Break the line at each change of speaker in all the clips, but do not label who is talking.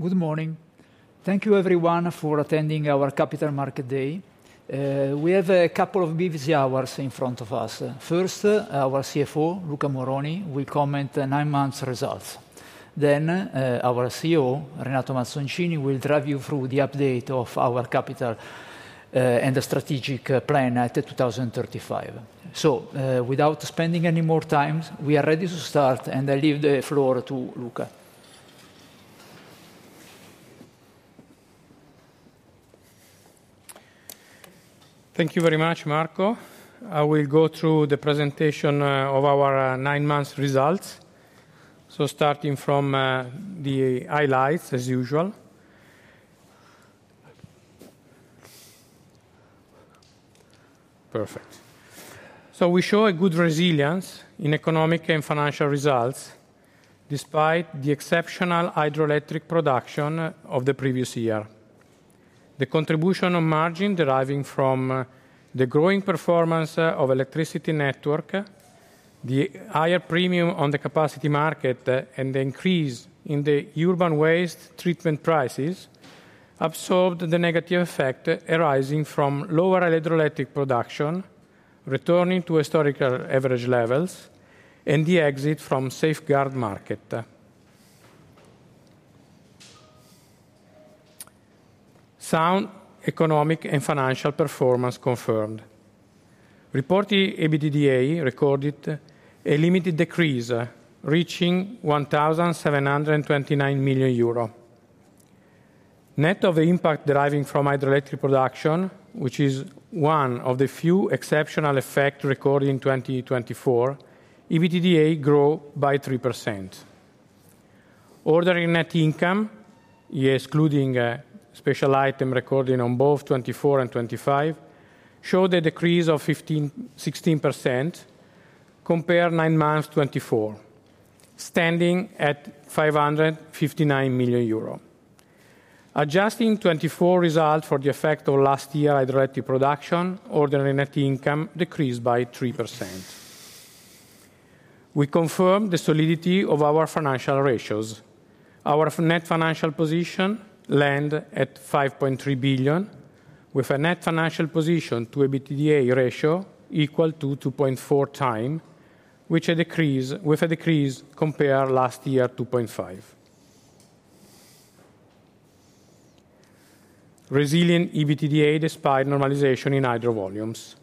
Good morning. Thank you, everyone, for attending our Capital Market Day. We have a couple of busy hours in front of us. First, our CFO, Luca Moroni, will comment on nine months' results. Then our CEO, Renato Mazzoncini, will drive you through the update of our capital and the strategic plan at 2035. Without spending any more time, we are ready to start, and I leave the floor to Luca.
Thank you very much, Marco. I will go through the presentation of our nine months' results. Starting from the highlights, as usual. Perfect. We show a good resilience in economic and financial results, despite the exceptional hydroelectric production of the previous year. The contribution of margin deriving from the growing performance of the electricity network, the higher premium on the Capacity Market, and the increase in the urban waste treatment prices absorbed the negative effect arising from lower hydroelectric production, returning to historical average levels, and the exit from the safeguard market. Sound economic and financial performance confirmed. Reported EBITDA recorded a limited decrease reaching 1,729 million euro. Net of the impact deriving from hydroelectric production, which is one of the few exceptional effects recorded in 2024, EBITDA grew by 3%. Ordinary net income, excluding special items recorded on both 2024 and 2025, showed a decrease of 16% compared to nine months' 2024, standing at 559 million euro. Adjusting 2024 results for the effect of last year's hydroelectric production, ordering net income decreased by 3%. We confirmed the solidity of our financial ratios. Our net financial position lands at 5.3 billion, with a net financial position to EBITDA ratio equal to 2.4x, which is a decrease compared to last year's 2.5x. Resilient EBITDA despite normalization in hydro volumes.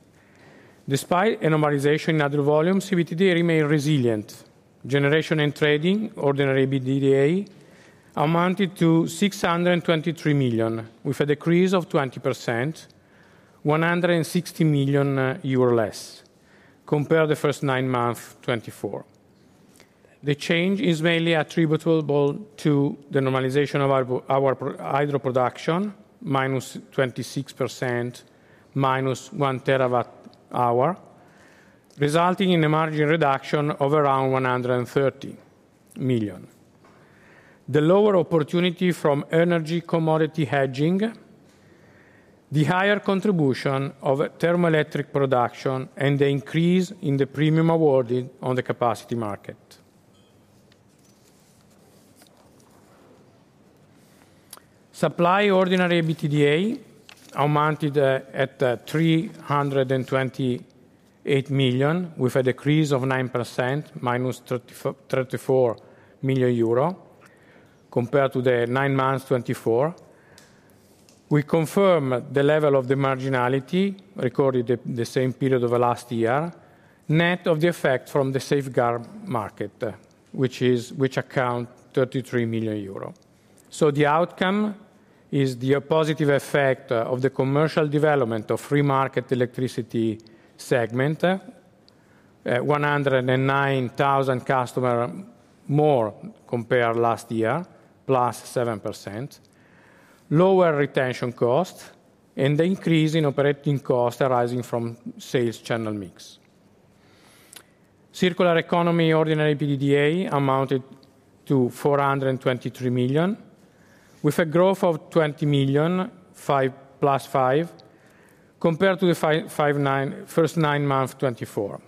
Despite normalization in hydro volumes, EBITDA remained resilient. Generation and trading, ordering EBITDA, amounted to 623 million, with a decrease of 20%, 160 million euro less compared to the first nine months 2024. The change is mainly attributable to the normalization of our hydro production, -26%, -1 TWh, resulting in a margin reduction of around 130 million. The lower opportunity from energy commodity hedging, the higher contribution of thermoelectric production, and the increase in the premium awarded on the Capacity Market. Supply ordering [EBITDA] amounted at 328 million, with a decrease of 9%, -34 million euro compared to the nine months 2024. We confirmed the level of the marginality recorded the same period of last year, net of the effect from the safeguard market, which accounts for 33 million euro. The outcome is the positive effect of the commercial development of the free-market electricity segment, 109,000 customers more compared to last year, +7%, lower retention costs, and the increase in operating costs arising from sales channel mix. Circular Economy ordering EBITDA amounted to 423 million, with a growth of 20 million, +5% compared to the first nine months 2024.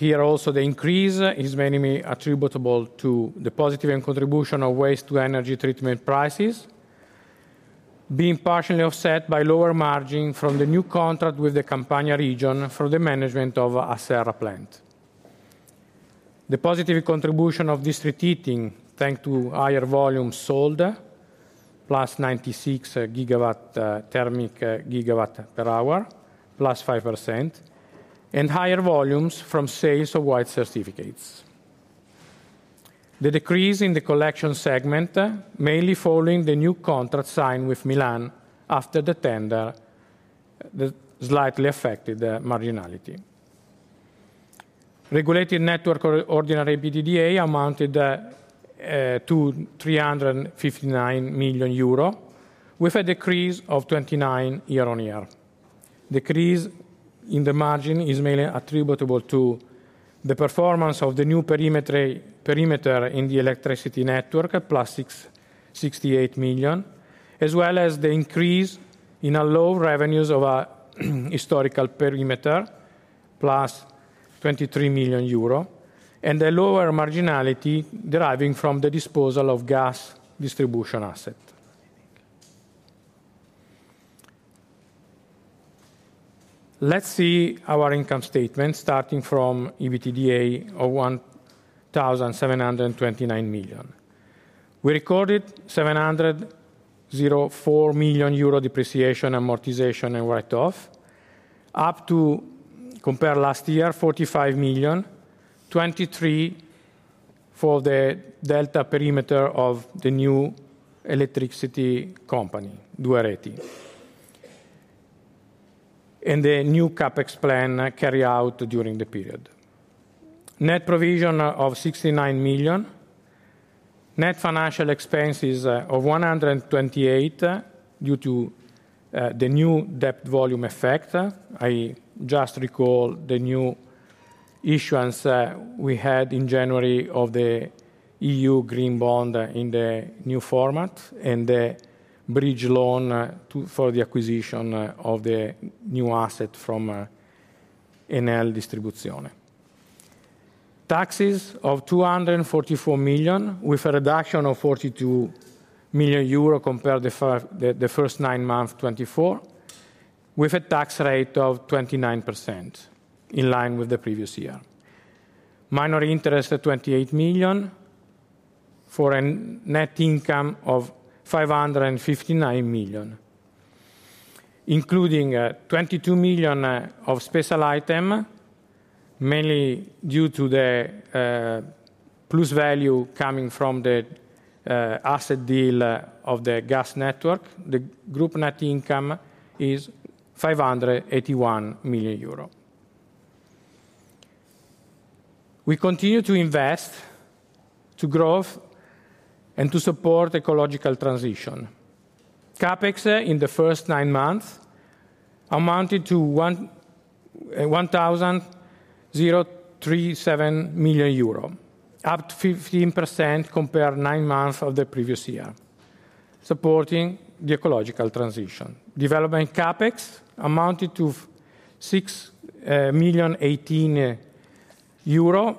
Here, also, the increase is mainly attributable to the positive contribution of waste-to-energy treatment prices, being partially offset by lower margin from the new contract with the Campania region for the management of Acerra plant. The positive contribution of district heating, thanks to higher volumes sold, +96 GW thermic gigawatt-per-hour, +5%, and higher volumes from sales of white certificates. The decrease in the Collection segment, mainly following the new contract signed with Milan after the tender, slightly affected the marginality. Regulated network EBITDA amounted to 359 million euro, with a decrease of 29% year-on-year. The decrease in the margin is mainly attributable to the performance of the new perimeter in the electricity network, +68 million, as well as the increase in low revenues of a historical perimeter, +23 million euro, and the lower marginality deriving from the disposal of gas distribution assets. Let's see our income statement, starting from EBITDA of 1,729 million. We recorded 704 million euro depreciation, amortization, and write-off, up compared to last year, 45 million, 23% for the delta perimeter of the new electricity company, Duereti, and the new CapEx plan carried out during the period. Net provision of 69 million, net financial expenses of 128 million due to the new debt volume effect. I just recall the new issuance we had in January of the EU Green Bond in the new format and the bridge loan for the acquisition of the new asset from Enel Distribuzione. Taxes of 244 million, with a reduction of 42 million euro compared to the first nine months 2024, with a tax rate of 29%, in line with the previous year. Minor interest at 28 million for a net income of 559 million, including 22 million of special items, mainly due to the plus value coming from the asset deal of the gas network. The group net income is 581 million euro. We continue to invest, to grow, and to support ecological transition. CapEx in the first nine months amounted to 1,037 million euro, up 15% compared to nine months of the previous year, supporting the ecological transition. Development CapEx amounted to 6,018 million,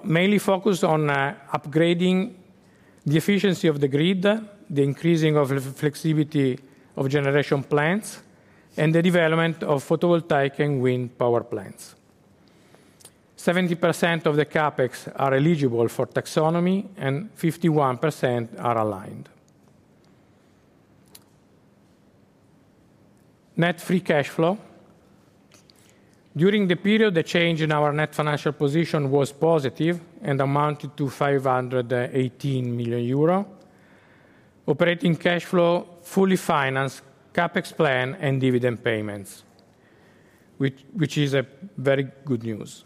mainly focused on upgrading the efficiency of the grid, the increasing of the flexibility of generation plants, and the development of photovoltaic and wind power plants. 70% of the CapEx are eligible for taxonomy, and 51% are aligned. Net free cash flow. During the period, the change in our net financial position was positive and amounted to 518 million euro. Operating cash flow fully financed CapEx plan and dividend payments, which is very good news.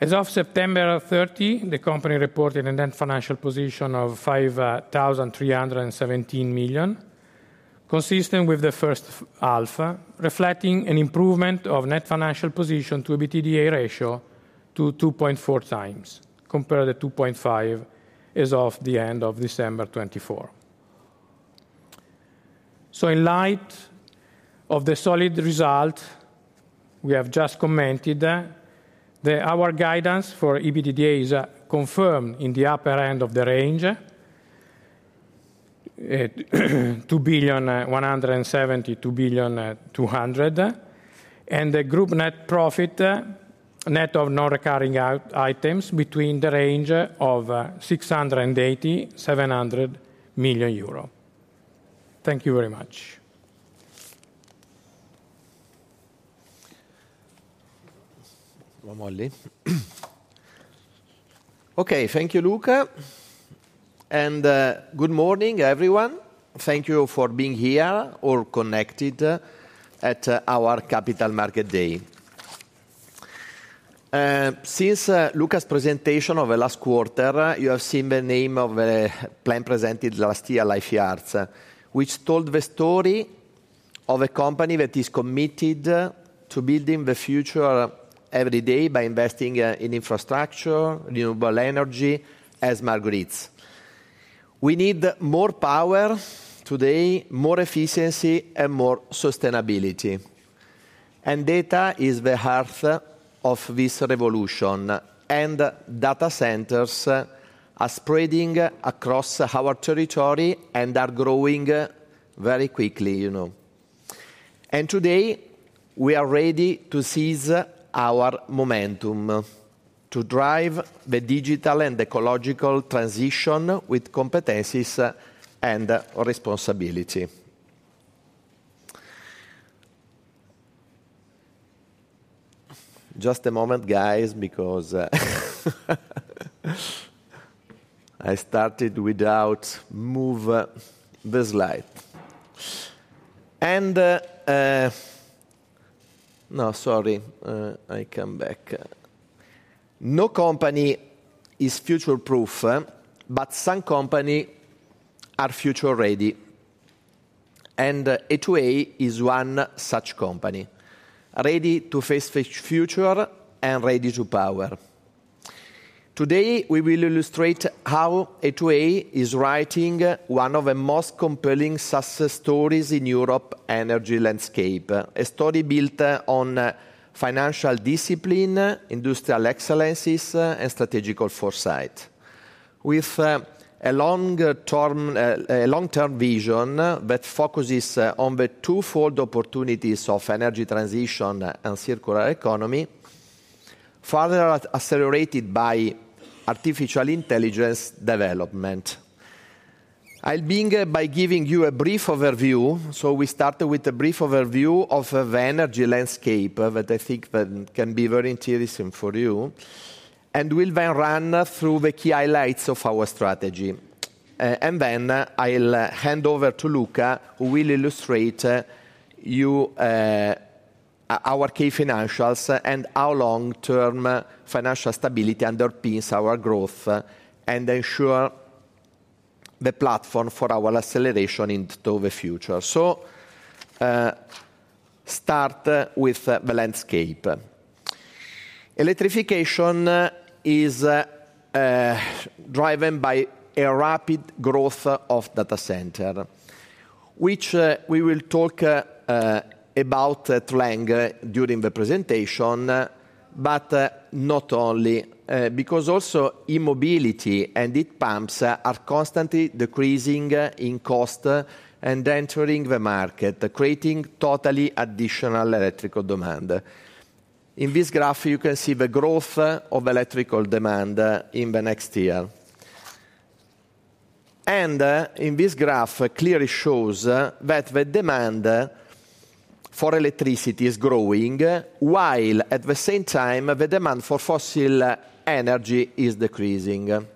As of September 30, the company reported a net financial position of 5,317 million, consistent with the first alpha, reflecting an improvement of net financial position to EBITDA ratio to 2.4x compared to 2.5x as of the end of December 2024. In light of the solid result we have just commented, our guidance for EBITDA is confirmed in the upper end of the range, 2,170 million-2,200 million, and the group net profit, net of non-recurring items, between the range of 680 million-700 million euro. Thank you very much.
Thank you, Moroni. Okay, thank you, Luca. Good morning, everyone. Thank you for being here or connected at our Capital Markets Day. Since Luca's presentation of the last quarter, you have seen the name of the plan presented last year, Lifeyards, which told the story of a company that is committed to building the future every day by investing in infrastructure, renewable energy, as Marguerite. We need more power today, more efficiency, and more sustainability. Data is the heart of this revolution, and data centers are spreading across our territory and are growing very quickly. Today, we are ready to seize our momentum to drive the digital and ecological transition with competencies and responsibility. Just a moment, guys, because I started without moving the slide. No, sorry, I came back. No company is future-proof, but some companies are future-ready. A2A is one such company, ready to face the future and ready to power. Today, we will illustrate how A2A is writing one of the most compelling success stories in the Europe energy landscape, a story built on financial discipline, industrial excellencies, and strategic foresight, with a long-term vision that focuses on the twofold opportunities of Energy Transition and Circular Economy, further accelerated by artificial intelligence development. I'll begin by giving you a brief overview. We started with a brief overview of the energy landscape that I think can be very interesting for you, and we'll then run through the key highlights of our strategy. I'll hand over to Luca, who will illustrate to you our key financials and how long-term financial stability underpins our growth and ensures the platform for our acceleration into the future. Start with the landscape. Electrification is driven by a rapid growth of data centers, which we will talk about at length during the presentation, but not only, because also e-mobility and heat pumps are constantly decreasing in cost and entering the market, creating totally additional electrical demand. In this graph, you can see the growth of electrical demand in the next year. In this graph, it clearly shows that the demand for electricity is growing, while at the same time, the demand for fossil energy is decreasing.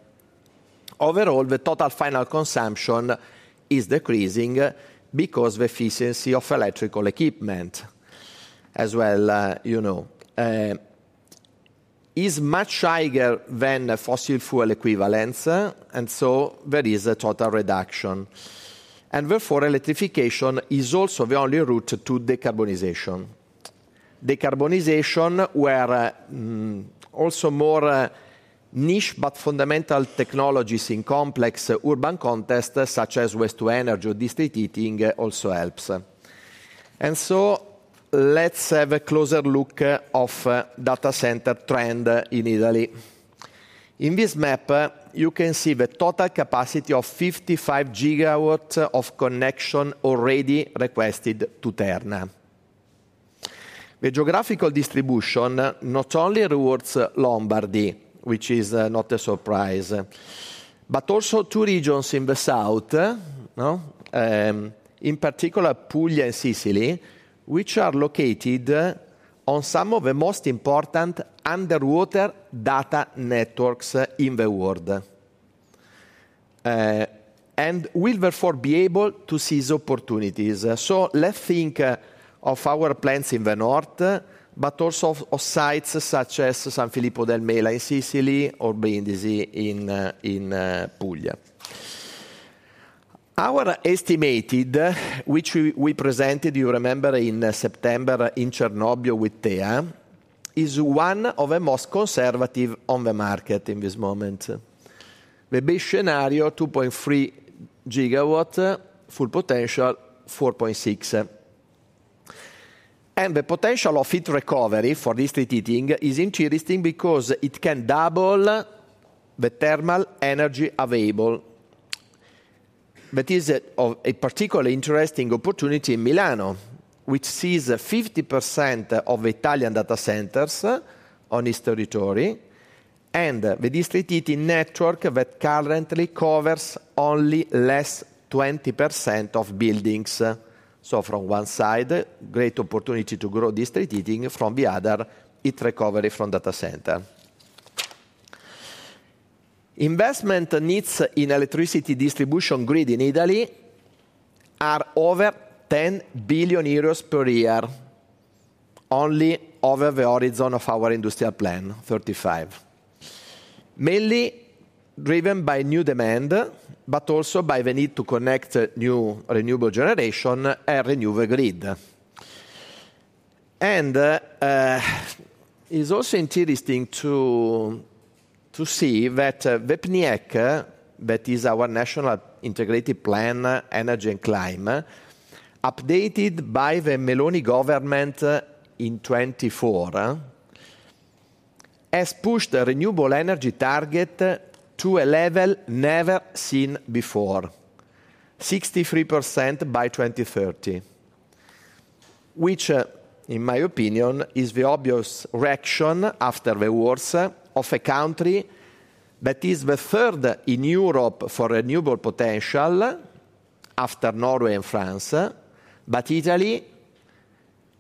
Overall, the total final consumption is decreasing because the efficiency of electrical equipment, as well, is much higher than the fossil fuel equivalents, and so there is a total reduction. Therefore, electrification is also the only route to decarbonization. Decarbonization, where also more niche but fundamental technologies in complex urban contexts, such as waste-to-energy or district heating, also helps. Let's have a closer look at the data center trend in Italy. In this map, you can see the total capacity of 55 GW of connection already requested to Terna. The geographical distribution not only rewards Lombardy, which is not a surprise, but also two regions in the south, in particular Puglia and Sicily, which are located on some of the most important underwater data networks in the world. We will, therefore, be able to seize opportunities. Let's think of our plants in the north, but also of sites such as San Filippo del Mela in Sicily or Brindisi in Puglia. Our estimate, which we presented, you remember, in September in Cernobbio with Tea, is one of the most conservative on the market in this moment. The base scenario, 2.3 GW, full potential, 4.6 GW. The potential of heat recovery for district heating is interesting because it can double the thermal energy available. That is a particularly interesting opportunity in Milan, which sees 50% of Italian data centers on this territory, and the district heating network that currently covers only less than 20% of buildings. From one side, great opportunity to grow district heating, from the other, heat recovery from data center. Investment needs in electricity distribution grid in Italy are over 10 billion euros per year, only over the horizon of our industrial plan, 2035, mainly driven by new demand, but also by the need to connect new renewable generation and renewable grid. It is also interesting to see that the PNIEC, that is our National Integrated Plan, Energy and Climate, updated by the Meloni government in 2024, has pushed the renewable energy target to a level never seen before, 63% by 2030, which, in my opinion, is the obvious reaction after the wars of a country that is the third in Europe for renewable potential after Norway and France, but Italy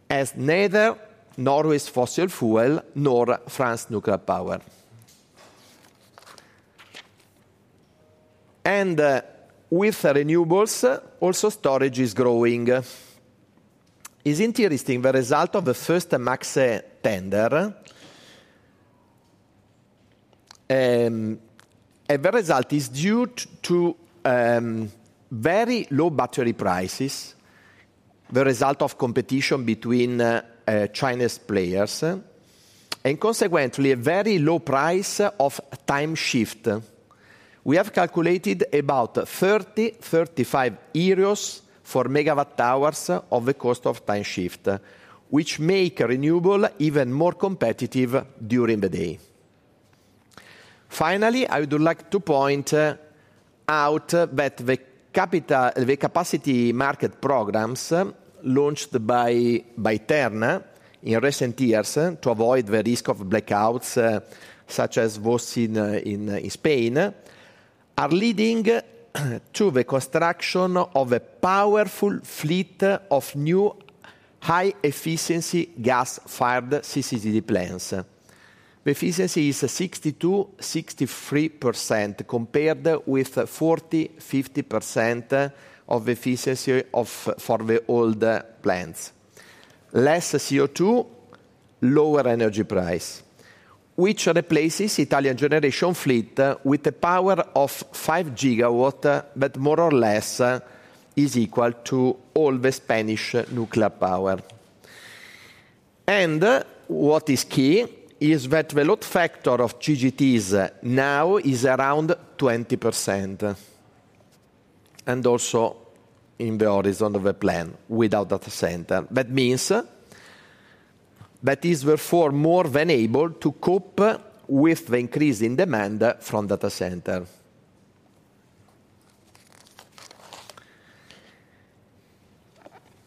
has neither Norway's fossil fuel nor France's nuclear power. With renewables, also storage is growing. It is interesting, the result of the first MACSE tender, the result is due to very low battery prices, the result of competition between Chinese players, and consequently, a very low price of time shift. We have calculated about 30-35 euros for megawatt hours of the cost of time shift, which make renewable even more competitive during the day. Finally, I would like to point out that the Capacity Market programs launched by Terna in recent years to avoid the risk of blackouts, such as what is seen in Spain, are leading to the construction of a powerful fleet of new high-efficiency gas-fired CCGT plants. The efficiency is 62%-63% compared with 40%-50% of the efficiency for the old plants. Less CO2, lower energy price, which replaces the Italian generation fleet with a power of 5 GW, but more or less is equal to all the Spanish nuclear power. What is key is that the load factor of CCGTs now is around 20%, and also in the horizon of the plan without data centers. That means that is, therefore, more than able to cope with the increase in demand from data centers.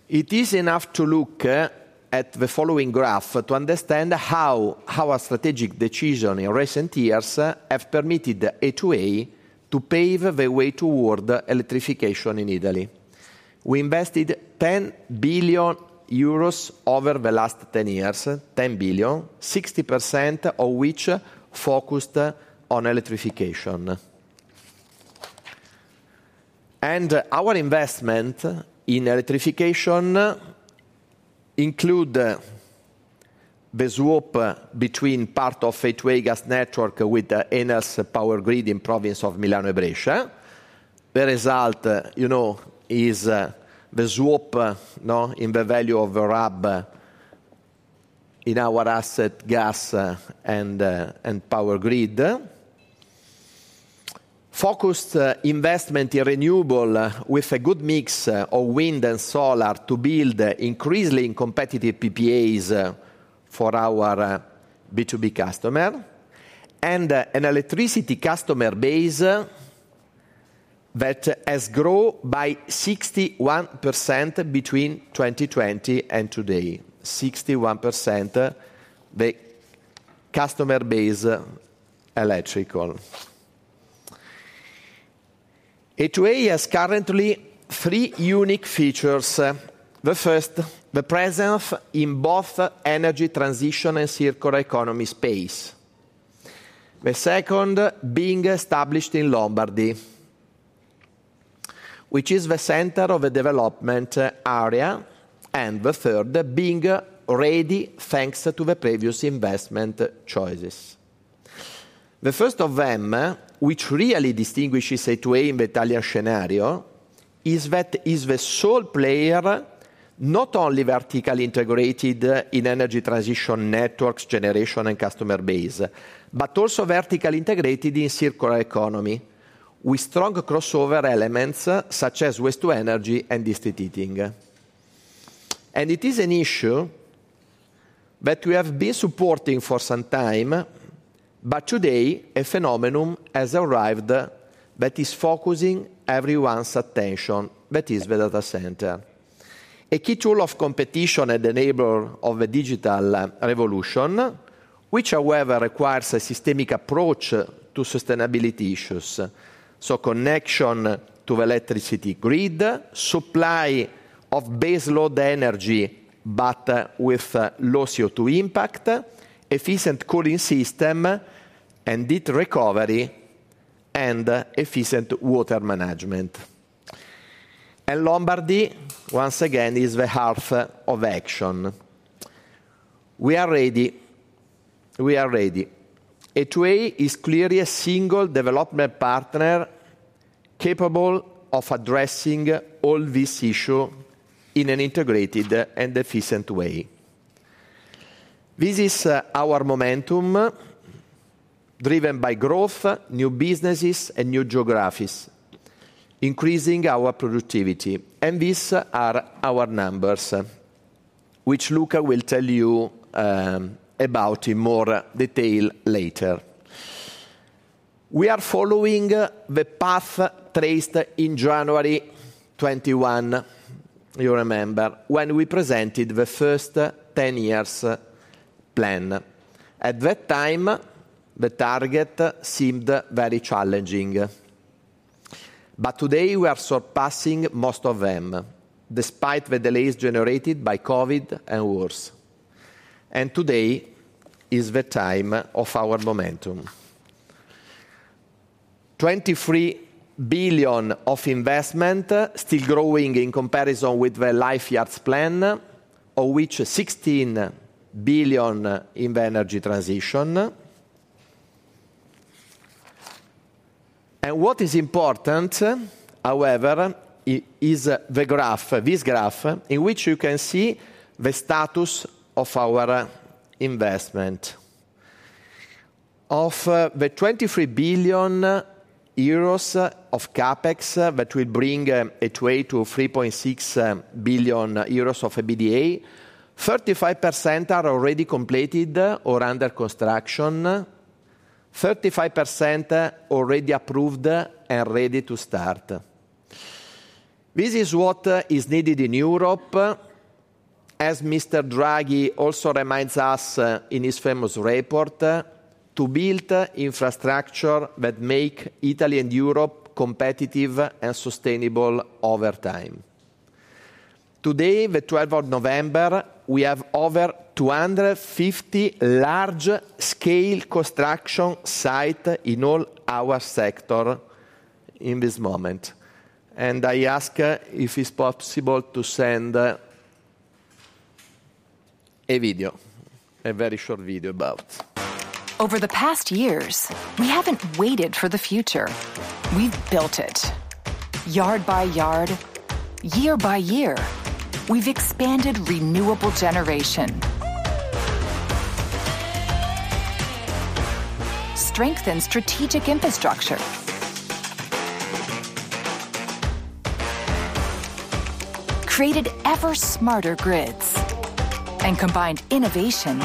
It is enough to look at the following graph to understand how our strategic decision in recent years has permitted A2A to pave the way toward electrification in Italy. We invested 10 billion euros over the last 10 years, 10 billion, 60% of which focused on electrification. Our investment in electrification includes the swap between part of A2A gas network with Enel's power grid in the province of Milan-Brescia. The result is the swap in the value of the RAB in our asset gas and power grid. Focused investment in renewable with a good mix of Wind and Solar to build increasingly competitive PPAs for our B2B customer, and an electricity customer base that has grown by 61% between 2020 and today, 61% the customer base electrical. A2A has currently three unique features. The first, the presence in both Energy Transition and Circular Economy space. The second, being established in Lombardy, which is the center of the development area, and the third, being ready thanks to the previous investment choices. The first of them, which really distinguishes A2A in the Italian scenario, is that it is the sole player, not only vertically integrated in Energy Transition networks, generation, and customer base, but also vertically integrated in Circular Economy with strong crossover elements such as waste-to-energy and district heating. It is an issue that we have been supporting for some time, but today, a phenomenon has arrived that is focusing everyone's attention, that is the data center. A key tool of competition at the navel of the digital revolution, which, however, requires a systemic approach to sustainability issues. Connection to the electricity grid, supply of base-load energy, but with low CO2 impact, efficient cooling system and heat recovery, and efficient water management. Lombardy, once again, is the heart of action. We are ready. A2A is clearly a single development partner capable of addressing all these issues in an integrated and efficient way. This is our momentum driven by growth, new businesses, and new geographies, increasing our productivity. These are our numbers, which Luca will tell you about in more detail later. We are following the path traced in January 2021, you remember, when we presented the first 10-year plan. At that time, the target seemed very challenging. Today, we are surpassing most of them, despite the delays generated by COVID and wars. Today is the time of our momentum. 23 billion of investment still growing in comparison with the Lifeyards plan, of which 16 billion in the Energy Transition. What is important, however, is this graph, in which you can see the status of our investment. Of the 23 billion euros of CapEx that will bring A2A to 3.6 billion euros of EBITDA, 35% are already completed or under construction, 35% already approved and ready to start. This is what is needed in Europe, as Mr. Draghi also reminds us in his famous report, to build infrastructure that makes Italy and Europe competitive and sustainable over time. Today, the 12th of November, we have over 250 large-scale construction sites in all our sectors in this moment. I ask if it's possible to send a video, a very short video about. Over the past years, we haven't waited for the future. We've built it. Yard by yard, year by year, we've expanded renewable generation, strengthened strategic infrastructure, created ever smarter grids, and combined innovation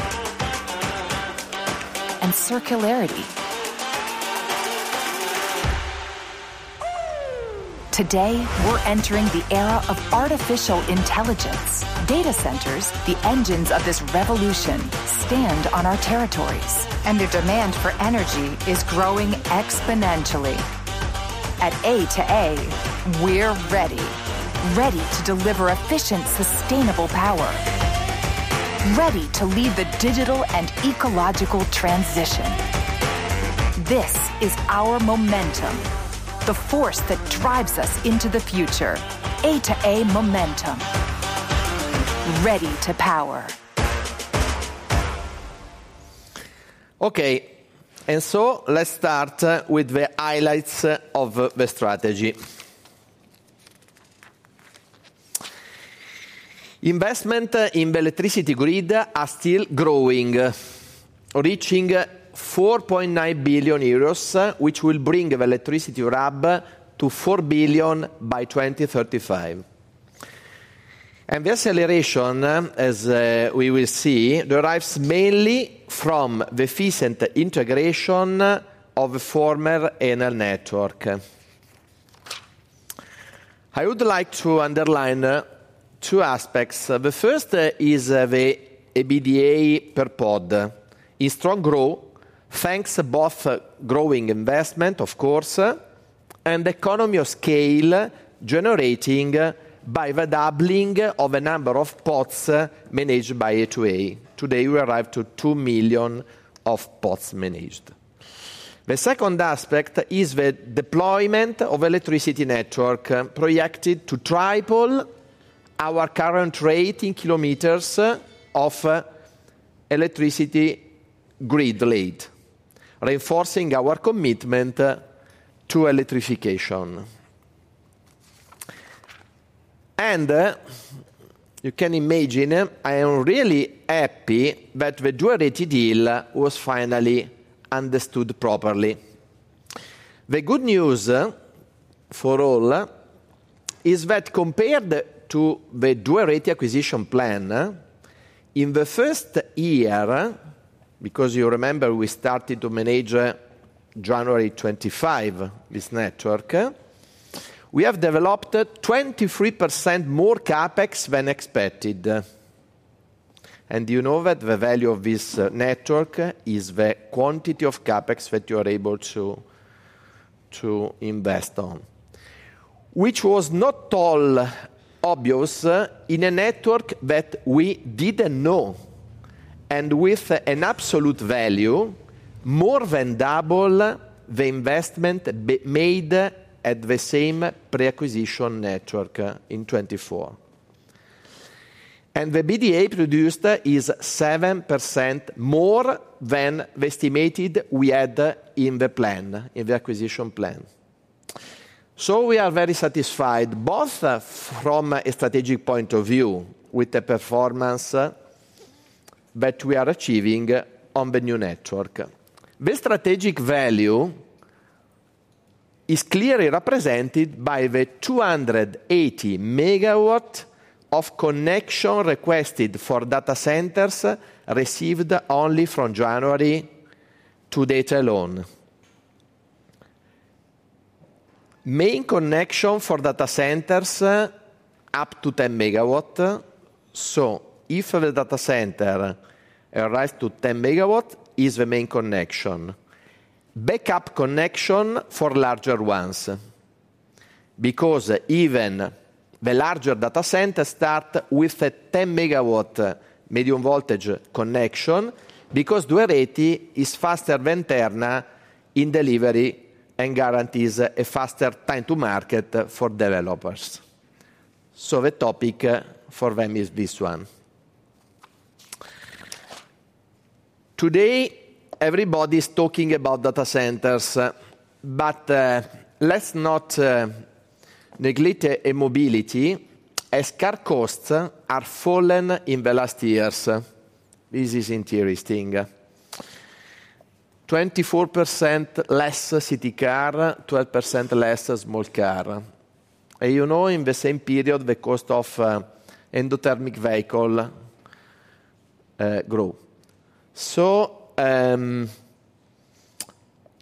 and circularity. Today, we're entering the era of artificial intelligence. Data centers, the engines of this revolution, stand on our territories, and the demand for energy is growing exponentially. At A2A, we're ready, ready to deliver efficient, sustainable power, ready to lead the digital and ecological transition. This is our momentum, the force that drives us into the future, A2A Momentum, ready to power. Okay, let's start with the highlights of the strategy. Investment in the electricity grid is still growing, reaching 4.9 billion euros, which will bring the electricity RAB to 4 billion by 2035. The acceleration, as we will see, derives mainly from the efficient integration of the former Enel network. I would like to underline two aspects. The first is the EBITDA per pod in strong growth, thanks to both growing investment, of course, and the economy of scale generated by the doubling of the number of pods managed by A2A. Today, we arrived at 2 million pods managed. The second aspect is the deployment of the electricity network projected to triple our current rate in kilometers of electricity grid lead, reinforcing our commitment to electrification. You can imagine I am really happy that the dual rate deal was finally understood properly. The good news for all is that compared to the dual rate acquisition plan, in the first year, because you remember we started to manage January 2025 this network, we have developed 23% more CapEx than expected. You know that the value of this network is the quantity of CapEx that you are able to invest on, which was not at all obvious in a network that we did not know, and with an absolute value more than double the investment made at the same pre-acquisition network in 2024. The EBITDA produced is 7% more than we estimated we had in the plan, in the acquisition plan. We are very satisfied, both from a strategic point of view with the performance that we are achieving on the new network. The strategic value is clearly represented by the 280 MW of connection requested for data centers received only from January to date alone. Main connection for data centers up to 10 MW. If the data center arrives to 10 MW, it is the main connection. Backup connection for larger ones, because even the larger data centers start with a 10 MW medium voltage connection, because dual rate is faster than Terna in delivery and guarantees a faster time to market for developers. The topic for them is this one. Today, everybody is talking about data centers, but let's not neglect mobility, as car costs have fallen in the last years. This is interesting. 24% less city car, 12% less small car. And you know, in the same period, the cost of endothermic vehicles grew.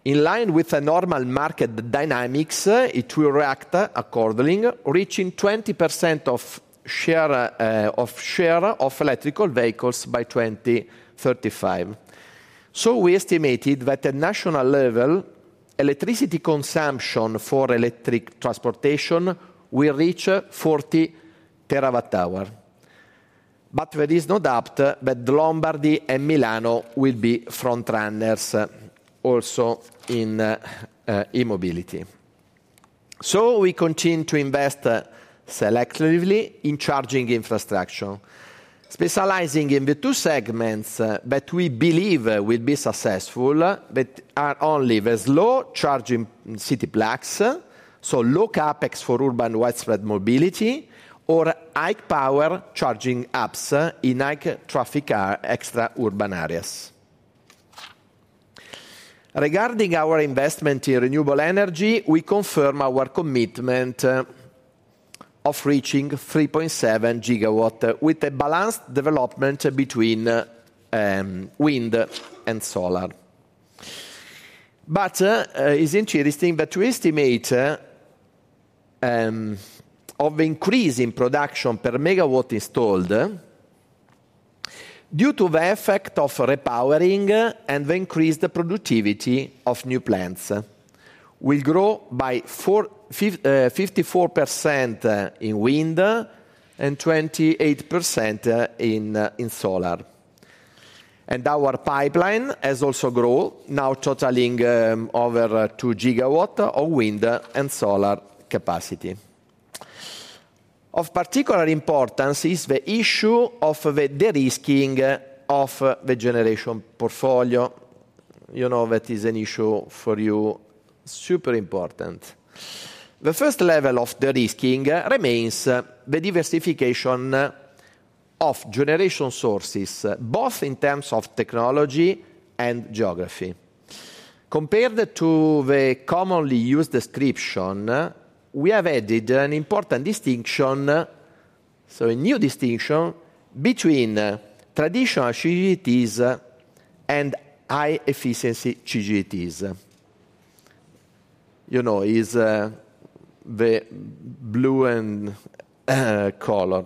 In line with the normal market dynamics, it will react accordingly, reaching 20% of share of electrical vehicles by 2035. We estimated that at national level, electricity consumption for electric transportation will reach 40 TWh. There is no doubt that Lombardy and Milan will be front runners also in e-mobility. We continue to invest selectively in charging infrastructure, specializing in the two segments that we believe will be successful, that are only the slow charging city plugs, so low CapEx for urban widespread mobility, or high-power charging apps in high-traffic extra-urban areas. Regarding our investment in renewable energy, we confirm our commitment of reaching 3.7 GW with a balanced development between Wind and Solar. It is interesting that we estimate an increase in production per megawatt installed due to the effect of repowering and the increased productivity of new plants. We will grow by 54% in Wind and 28% in Solar. Our pipeline has also grown, now totaling over 2 GW of Wind and Solar capacity. Of particular importance is the issue of the risking of the Generation portfolio. You know that is an issue for you, super important. The first level of the risking remains the diversification of generation sources, both in terms of technology and geography. Compared to the commonly used description, we have added an important distinction, so a new distinction between traditional CCGTs and high-efficiency CCGTs. You know, it is the blue and color.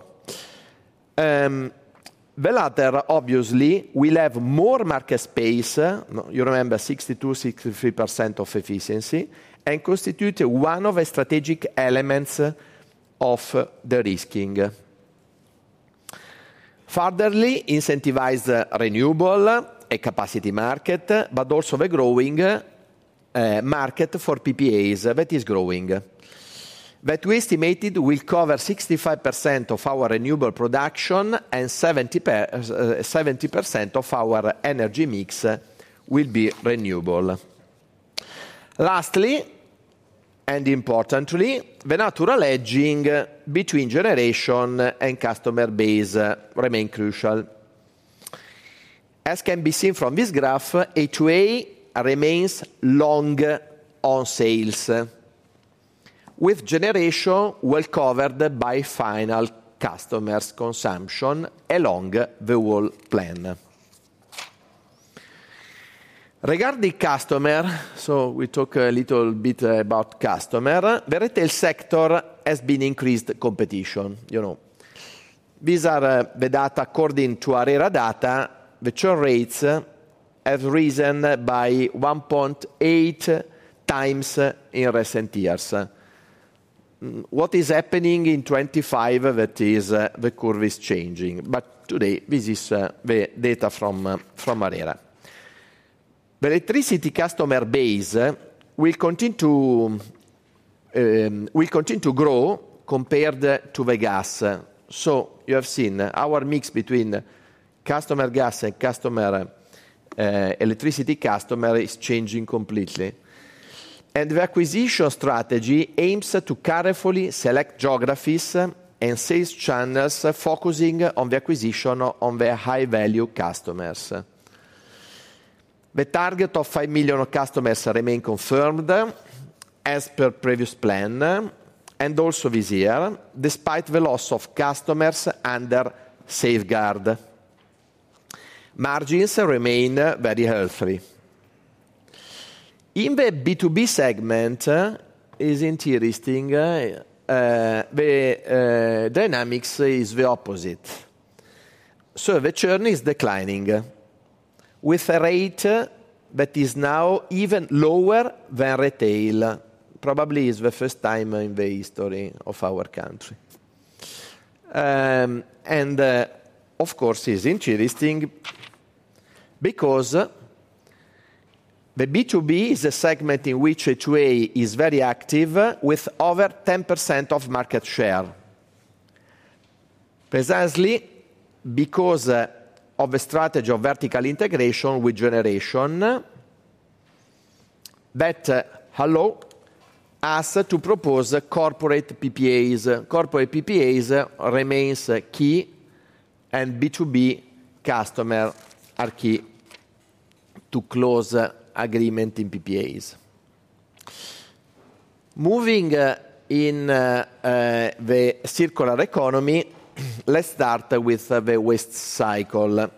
The latter, obviously, will have more market space, you remember 62%-63% of efficiency, and constitute one of the strategic elements of the risking. Furtherly, incentivize renewable, a Capacity Market, but also the growing market for PPAs that is growing. We estimated we'll cover 65% of our renewable production and 70% of our energy mix will be renewable. Lastly, and importantly, the natural edging between generation and customer base remains crucial. As can be seen from this graph, A2A remains long on sales, with generation well covered by final customers' consumption along the whole plan. Regarding customer, so we talk a little bit about customer, the retail sector has been increased competition. You know, these are the data according to ARERA data, which rates have risen by 1.8x in recent years. What is happening in 2025, that is the curve is changing. Today, this is the data from ARERA. The electricity customer base will continue to grow compared to the gas. You have seen our mix between customer gas and customer electricity customer is changing completely. The acquisition strategy aims to carefully select geographies and sales channels focusing on the acquisition of the high-value customers. The target of 5 million customers remains confirmed as per previous plan and also this year, despite the loss of customers under safeguard. Margins remain very healthy. In the B2B segment, it is interesting, the dynamics is the opposite. The churn is declining, with a rate that is now even lower than retail. Probably it is the first time in the history of our country. It is interesting because the B2B is a segment in which A2A is very active, with over 10% of market share. Precisely because of the strategy of vertical integration with generation that, hello, us to propose corporate PPAs. Corporate PPAs remain key, and B2B customers are key to close agreements in PPAs. Moving in the Circular Economy, let's start with the waste cycle.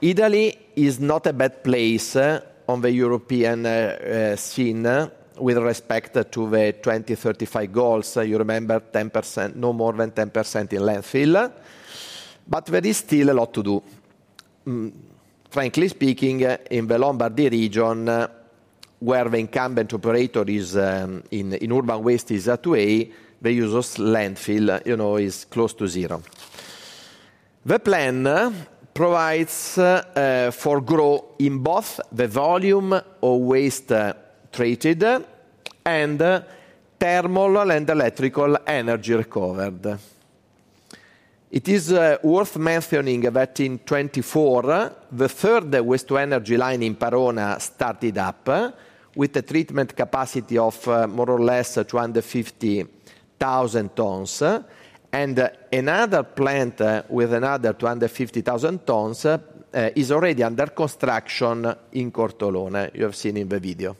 Italy is not a bad place on the European scene with respect to the 2035 goals. You remember 10%, no more than 10% in landfill, but there is still a lot to do. Frankly speaking, in the Lombardy region, where the incumbent operator in urban waste is A2A, the use of landfill, you know, is close to zero. The plan provides for growth in both the volume of waste treated and thermal and electrical energy recovered. It is worth mentioning that in 2024, the third waste-to-energy line in Parona started up with a treatment capacity of more or less 250,000 tons, and another plant with another 250,000 tons is already under construction in Corteolona. You have seen in the video.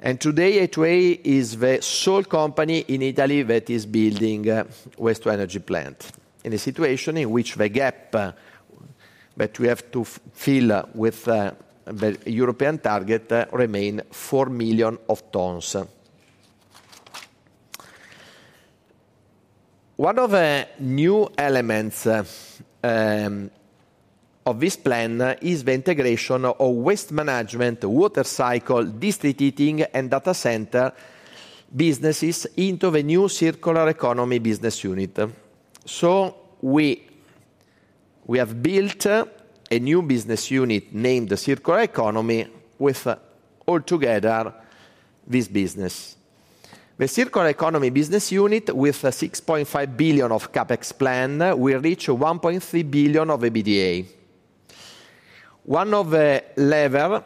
Today, A2A is the sole company in Italy that is building a waste-to-energy plant in a situation in which the gap that we have to fill with the European target remains 4 million tons. One of the new elements of this plan is the integration of waste management, water cycle, district heating, and data center businesses into the new Circular Economy business unit. We have built a new business unit named Circular Economy with altogether this business. The Circular Economy business unit with a 6.5 billion CapEx plan will reach 1.3 billion of EBITDA. One of the levers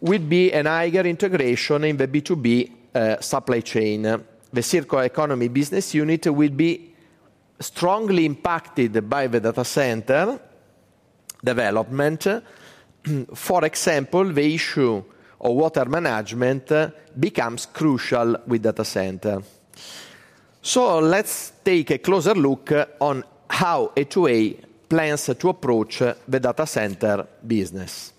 will be an eager integration in the B2B supply chain. The Circular Economy business unit will be strongly impacted by the data center development. For example, the issue of water management becomes crucial with data center. Let's take a closer look on how A2A plans to approach the data center business.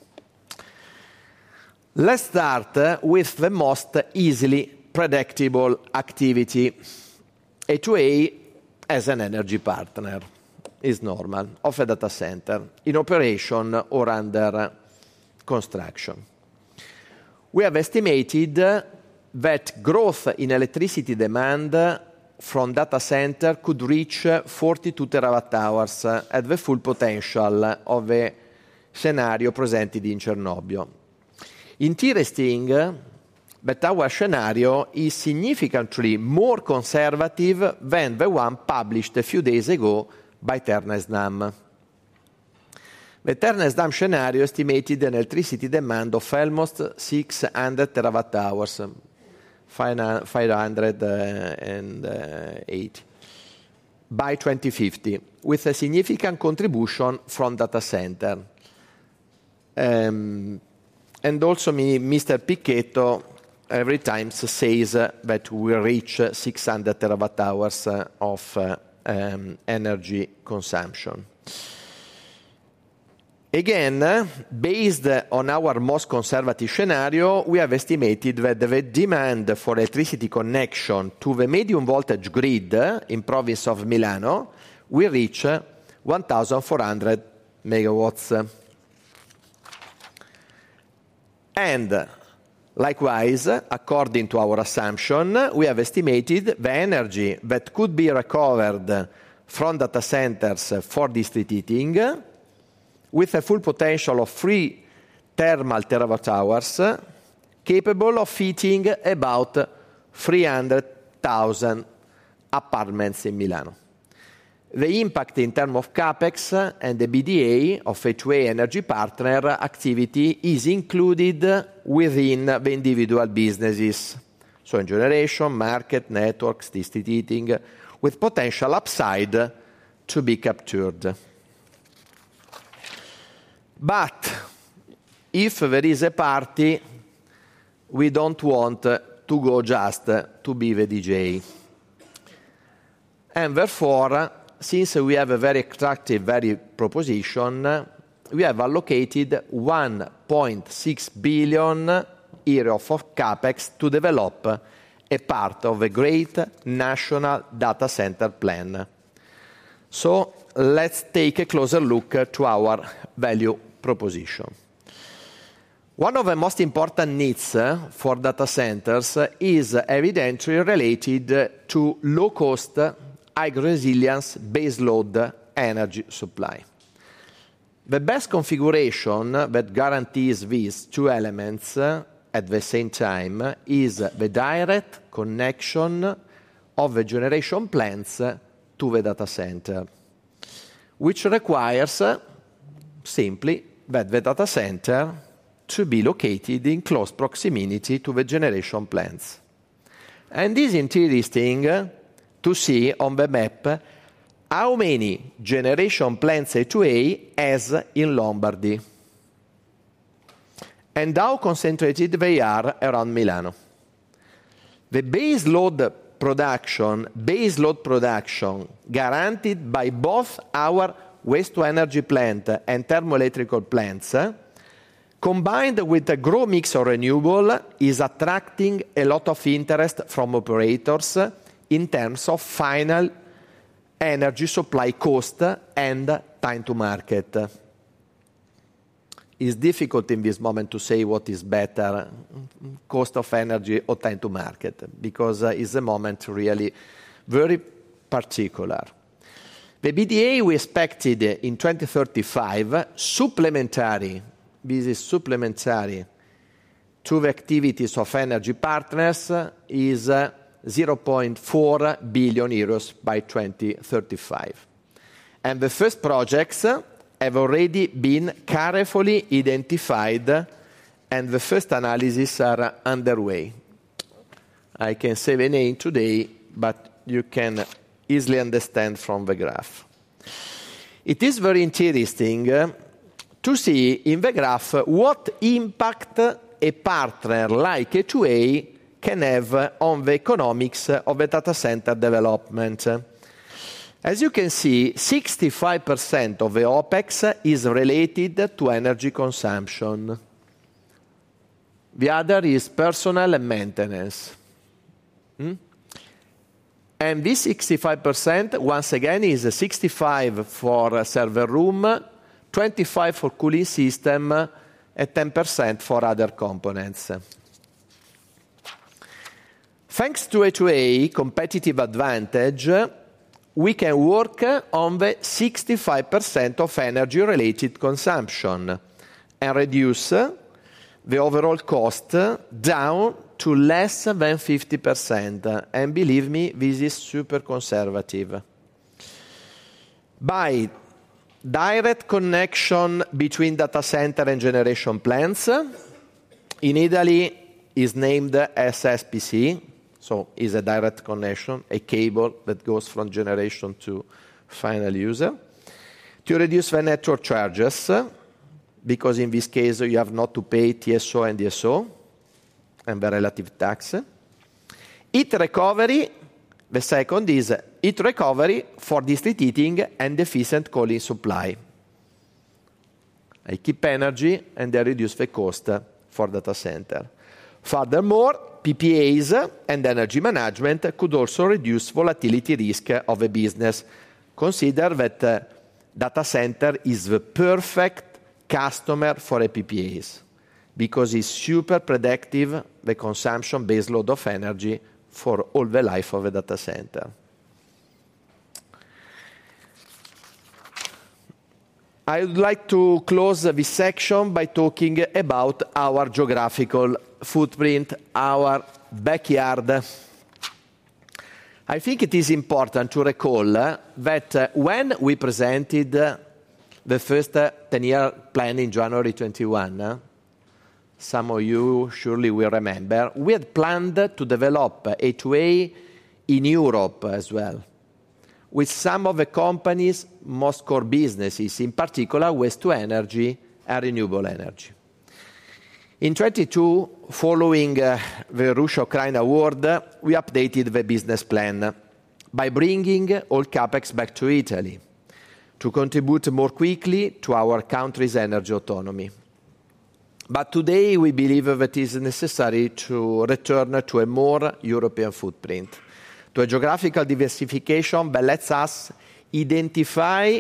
Let's start with the most easily predictable activity. A2A as an energy partner is normal of a data center in operation or under construction. We have estimated that growth in electricity demand from data center could reach 42 TWh at the full potential of the scenario presented in Chernobyl. Interesting, but our scenario is significantly more conservative than the one published a few days ago by Terna. The Terna scenario estimated an electricity demand of almost 600 TWh, 508 TWh by 2050, with a significant contribution from data center. Also, Mr. Picchietto every time says that we reach 600 TWh of energy consumption. Again, based on our most conservative scenario, we have estimated that the demand for electricity connection to the medium voltage grid in the province of Milan, we reach 1,400 MW. Likewise, according to our assumption, we have estimated the energy that could be recovered from data centers for district heating with a full potential of 3 thermal terawatt-hours capable of heating about 300,000 apartments in Milan. The impact in terms of CapEx and the EBITDA of A2A energy partner activity is included within the individual businesses. In generation, market, networks, district heating with potential upside to be captured. If there is a party, we do not want to go just to be the DJ. Therefore, since we have a very attractive value proposition, we have allocated 1.6 billion euro of CapEx to develop a part of the great national data center plan. Let's take a closer look at our value proposition. One of the most important needs for data centers is evidently related to low-cost, high-resilience baseload energy supply. The best configuration that guarantees these two elements at the same time is the direct connection of the generation plants to the data center, which requires simply that the data center be located in close proximity to the generation plants. It is interesting to see on the map how many generation plants A2A has in Lombardy and how concentrated they are around Milan. The baseload production, baseload production guaranteed by both our waste-to-energy plant and thermal electrical plants, combined with the growth mix of renewable, is attracting a lot of interest from operators in terms of final energy supply cost and time to market. It's difficult in this moment to say what is better, cost of energy or time to market, because it's a moment really very particular. The EBITDA we expected in 2035, supplementary with the supplementary to the activities of energy partners, is 0.4 billion euros by 2035. The first projects have already been carefully identified, and the first analyses are underway. I can say the name today, but you can easily understand from the graph. It is very interesting to see in the graph what impact a partner like A2A can have on the economics of the data center development. As you can see, 65% of the OpEx is related to energy consumption. The other is personal and maintenance. This 65%, once again, is 65% for server room, 25% for cooling system, and 10% for other components. Thanks to A2A competitive advantage, we can work on the 65% of energy-related consumption and reduce the overall cost down to less than 50%. Believe me, this is super conservative. By direct connection between data center and generation plants, in Italy is named SSPC, so it is a direct connection, a cable that goes from generation to final user, to reduce the network charges, because in this case, you have not to pay TSO and DSO and the relative tax. Heat recovery, the second is heat recovery for district heating and efficient cooling supply. I keep energy and they reduce the cost for data center. Furthermore, PPAs and energy management could also reduce volatility risk of a business. Consider that data center is the perfect customer for a PPAs because it's super predictive of the consumption baseload of energy for all the life of a data center. I would like to close this section by talking about our geographical footprint, our backyard. I think it is important to recall that when we presented the first 10-year plan in January 2021, some of you surely will remember, we had planned to develop A2A in Europe as well with some of the company's most core businesses, in particular, waste-to-energy and renewable energy. In 2022, following the Russia-Ukraine war, we updated the business plan by bringing all CapEx back to Italy to contribute more quickly to our country's energy autonomy. Today, we believe that it is necessary to return to a more European footprint, to a geographical diversification that lets us identify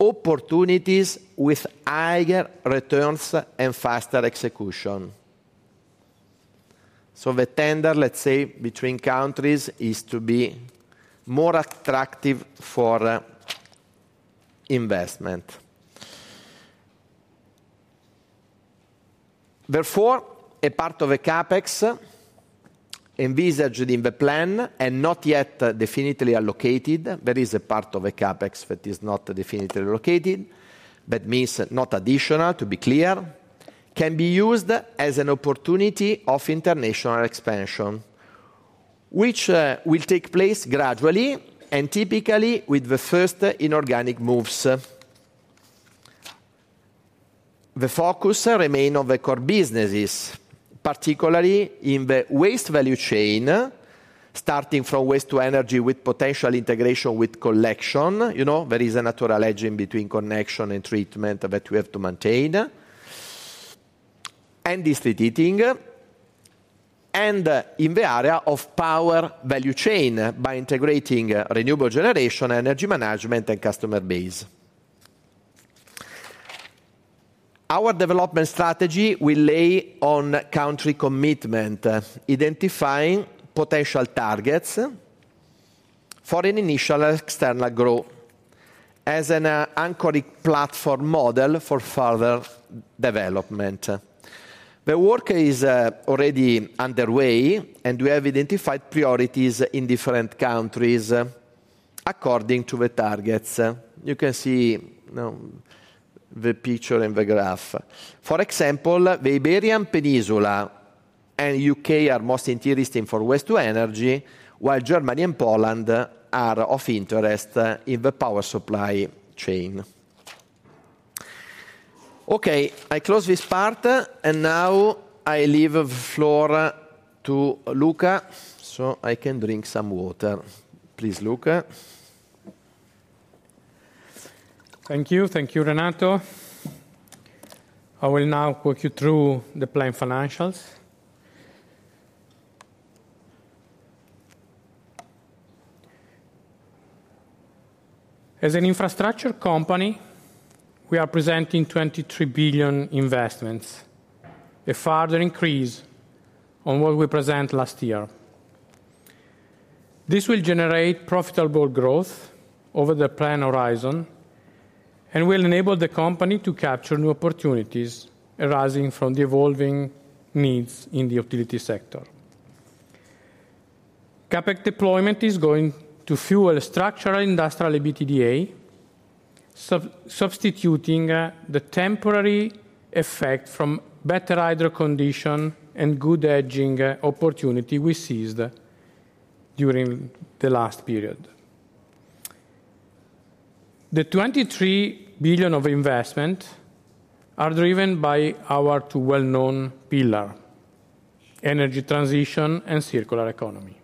opportunities with higher returns and faster execution. The tender, let's say, between countries is to be more attractive for investment. Therefore, a part of the CapEx envisaged in the plan and not yet definitively allocated, there is a part of the CapEx that is not definitively allocated, that means not additional, to be clear, can be used as an opportunity of international expansion, which will take place gradually and typically with the first inorganic moves. The focus remains on the core businesses, particularly in the waste value chain, starting from waste-to-energy with potential integration with Collection. You know, there is a natural edge in between connection and treatment that we have to maintain, and district heating, and in the area of power value chain by integrating renewable generation, energy management, and customer base. Our development strategy will lay on country commitment, identifying potential targets for an initial external growth as an anchoring platform model for further development. The work is already underway, and we have identified priorities in different countries according to the targets. You can see the picture in the graph. For example, the Iberian Peninsula and the U.K. are most interesting for waste-to-energy, while Germany and Poland are of interest in the power supply chain. Okay, I close this part, and now I leave the floor to Luca so I can drink some water. Please, Luca.
Thank you. Thank you, Renato. I will now walk you through the plan financials. As an infrastructure company, we are presenting 23 billion investments, a further increase on what we presented last year. This will generate profitable growth over the plan horizon and will enable the company to capture new opportunities arising from the evolving needs in the utility sector. CapEx deployment is going to fuel structural industrial EBITDA, substituting the temporary effect from better hydro condition and good hedging opportunity we seized during the last period. The 23 billion of investment are driven by our two well-known pillars, Energy Transition and Circular Economy.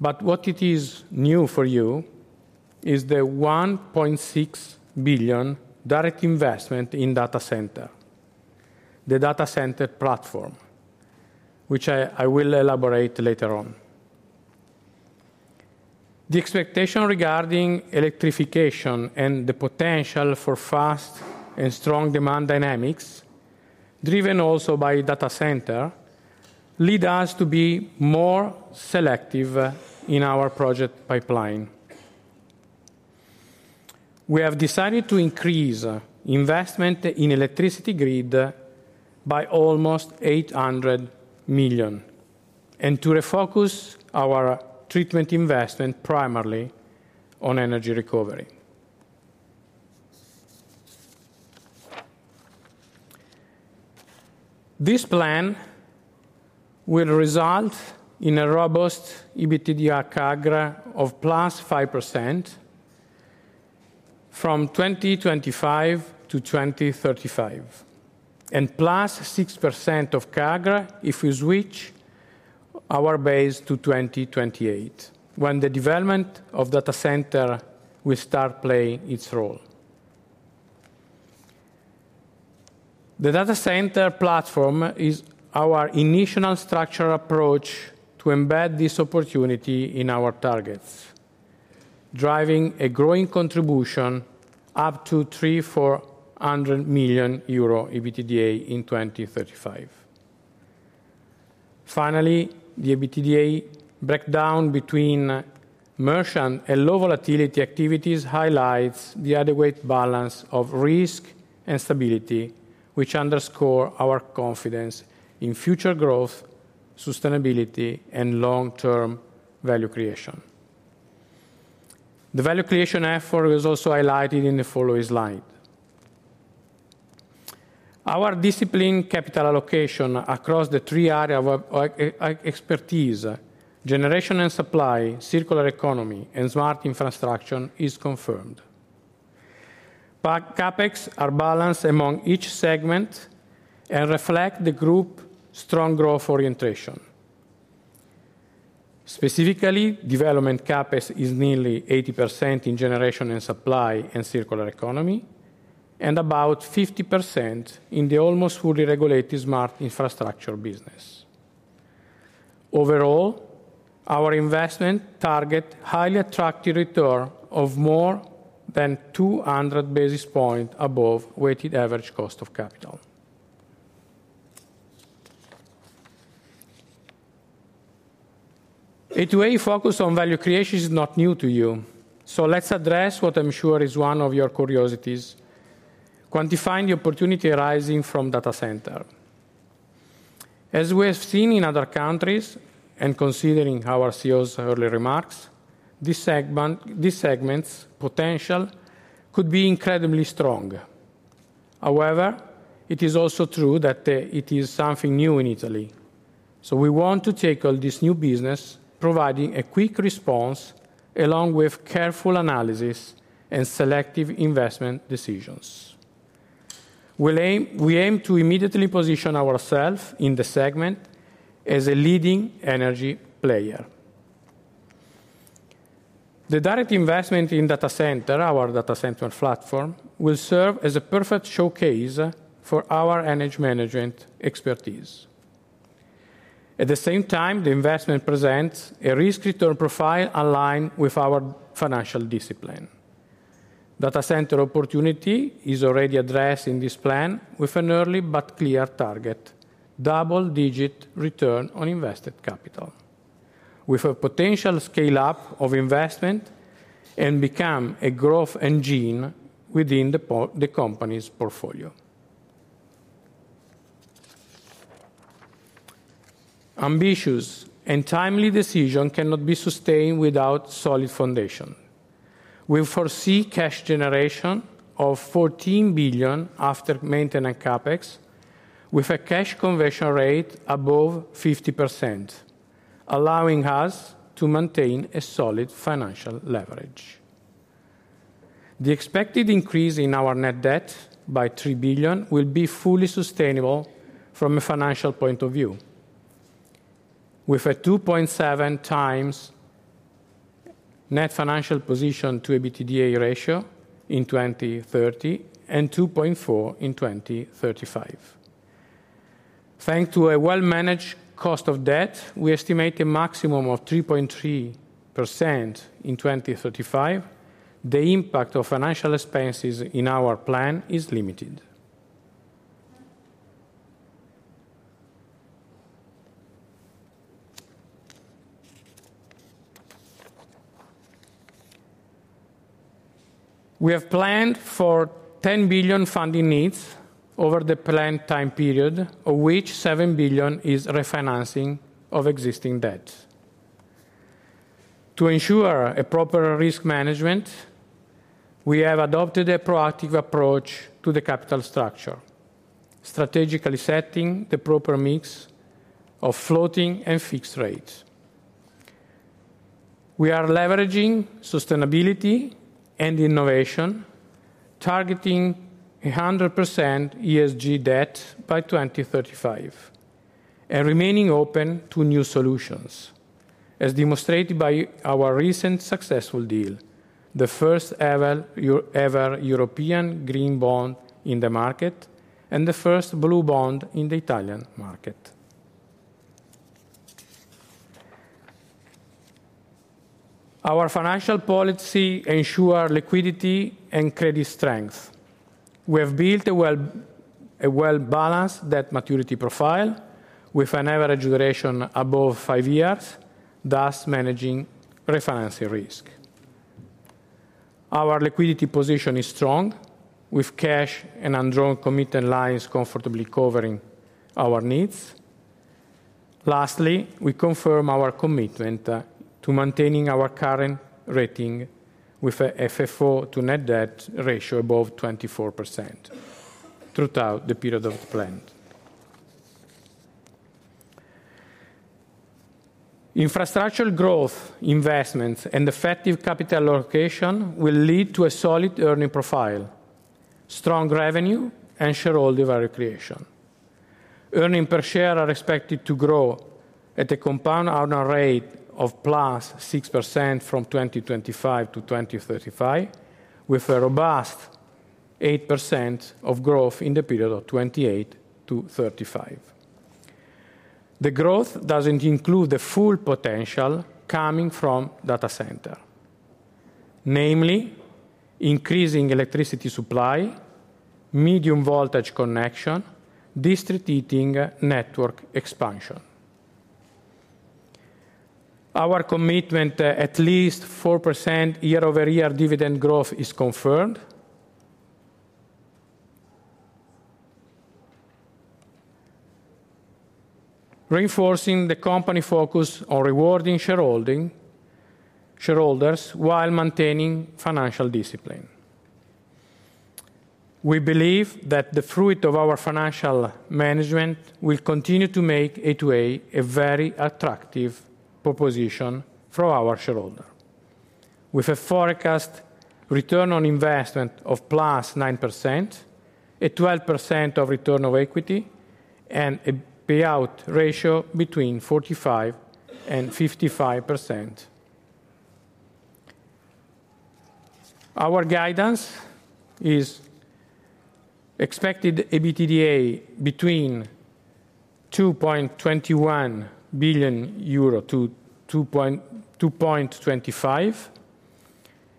What is new for you is the 1.6 billion direct investment in data center, the data center platform, which I will elaborate later on. The expectation regarding electrification and the potential for fast and strong demand dynamics, driven also by data center, lead us to be more selective in our project pipeline. We have decided to increase investment in electricity grid by almost 800 million and to refocus our treatment investment primarily on energy recovery. This plan will result in a robust EBITDA CAGR of +5% from 2025 to 2035 and +6% of CAGR if we switch our base to 2028, when the development of data center will start playing its role. The data center platform is our initial structural approach to embed this opportunity in our targets, driving a growing contribution up to 300 million euro EBITDA in 2035. Finally, the EBITDA breakdown between merchant and low volatility activities highlights the adequate balance of risk and stability, which underscores our confidence. 2025 to 2035, with a robust 8% of growth in the period of 2028-2035. The growth doesn't include the full potential coming from data center, namely increasing electricity supply, medium voltage connection, district heating network expansion. Our commitment, at least 4% year-over-year dividend growth, is confirmed, reinforcing the company focus on rewarding shareholders while maintaining financial discipline. We believe that the fruit of our financial management will continue to make A2A a very attractive proposition for our shareholder, with a forecast return on investment of +9%, a 12% of return of equity, and a payout ratio between 45% and 55%. Our guidance is expected EBITDA between EUR 2.21 billion-EUR 2.25 billion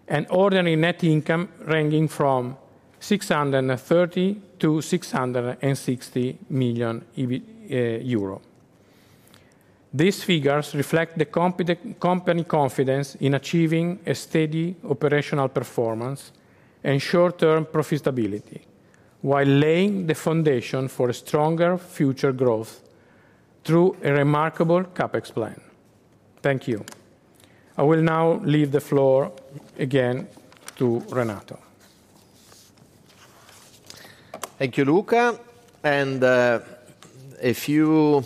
and ordinary net income ranging from 630 million to 660 million euro. These figures reflect the company confidence in achieving a steady operational performance and short-term profitability, while laying the foundation for stronger future growth through a remarkable CapEx plan. Thank you. I will now leave the floor again to Renato.
Thank you, Luca. And a few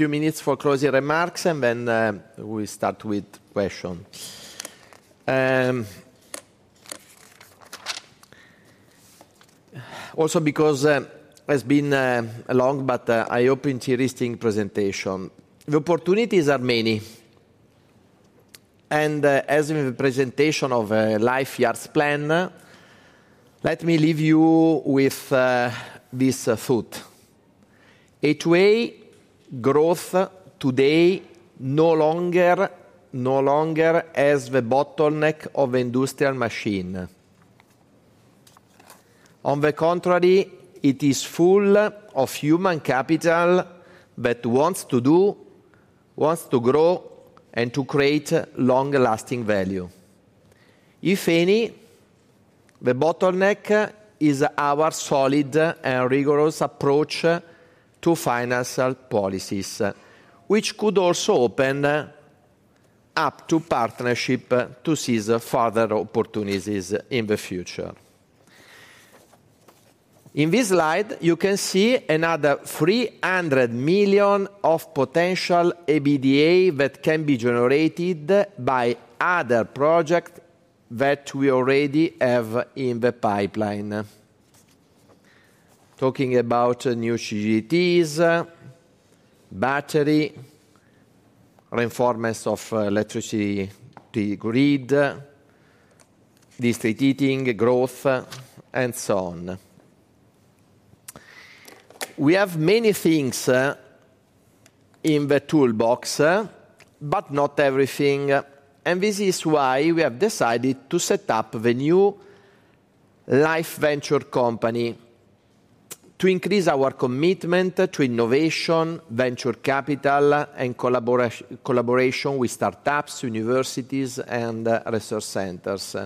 minutes for closing remarks, and then we start with questions. Also, because it has been a long but I hope interesting presentation. The opportunities are many. As in the presentation of a Lifeyards plan, let me leave you with this thought: A2A growth today no longer has the bottleneck of the industrial machine. On the contrary, it is full of human capital that wants to do, wants to grow, and to create long-lasting value. If any, the bottleneck is our solid and rigorous approach to financial policies, which could also open up to partnership to seize further opportunities in the future. In this slide, you can see another 300 million of potential EBITDA that can be generated by other projects that we already have in the pipeline. Talking about new utilities, battery, reforms of electricity grid, district heating growth, and so on. We have many things in the toolbox, but not everything. This is why we have decided to set up the new Life Ventures company to increase our commitment to innovation, venture capital, and collaboration with startups, universities, and research centers.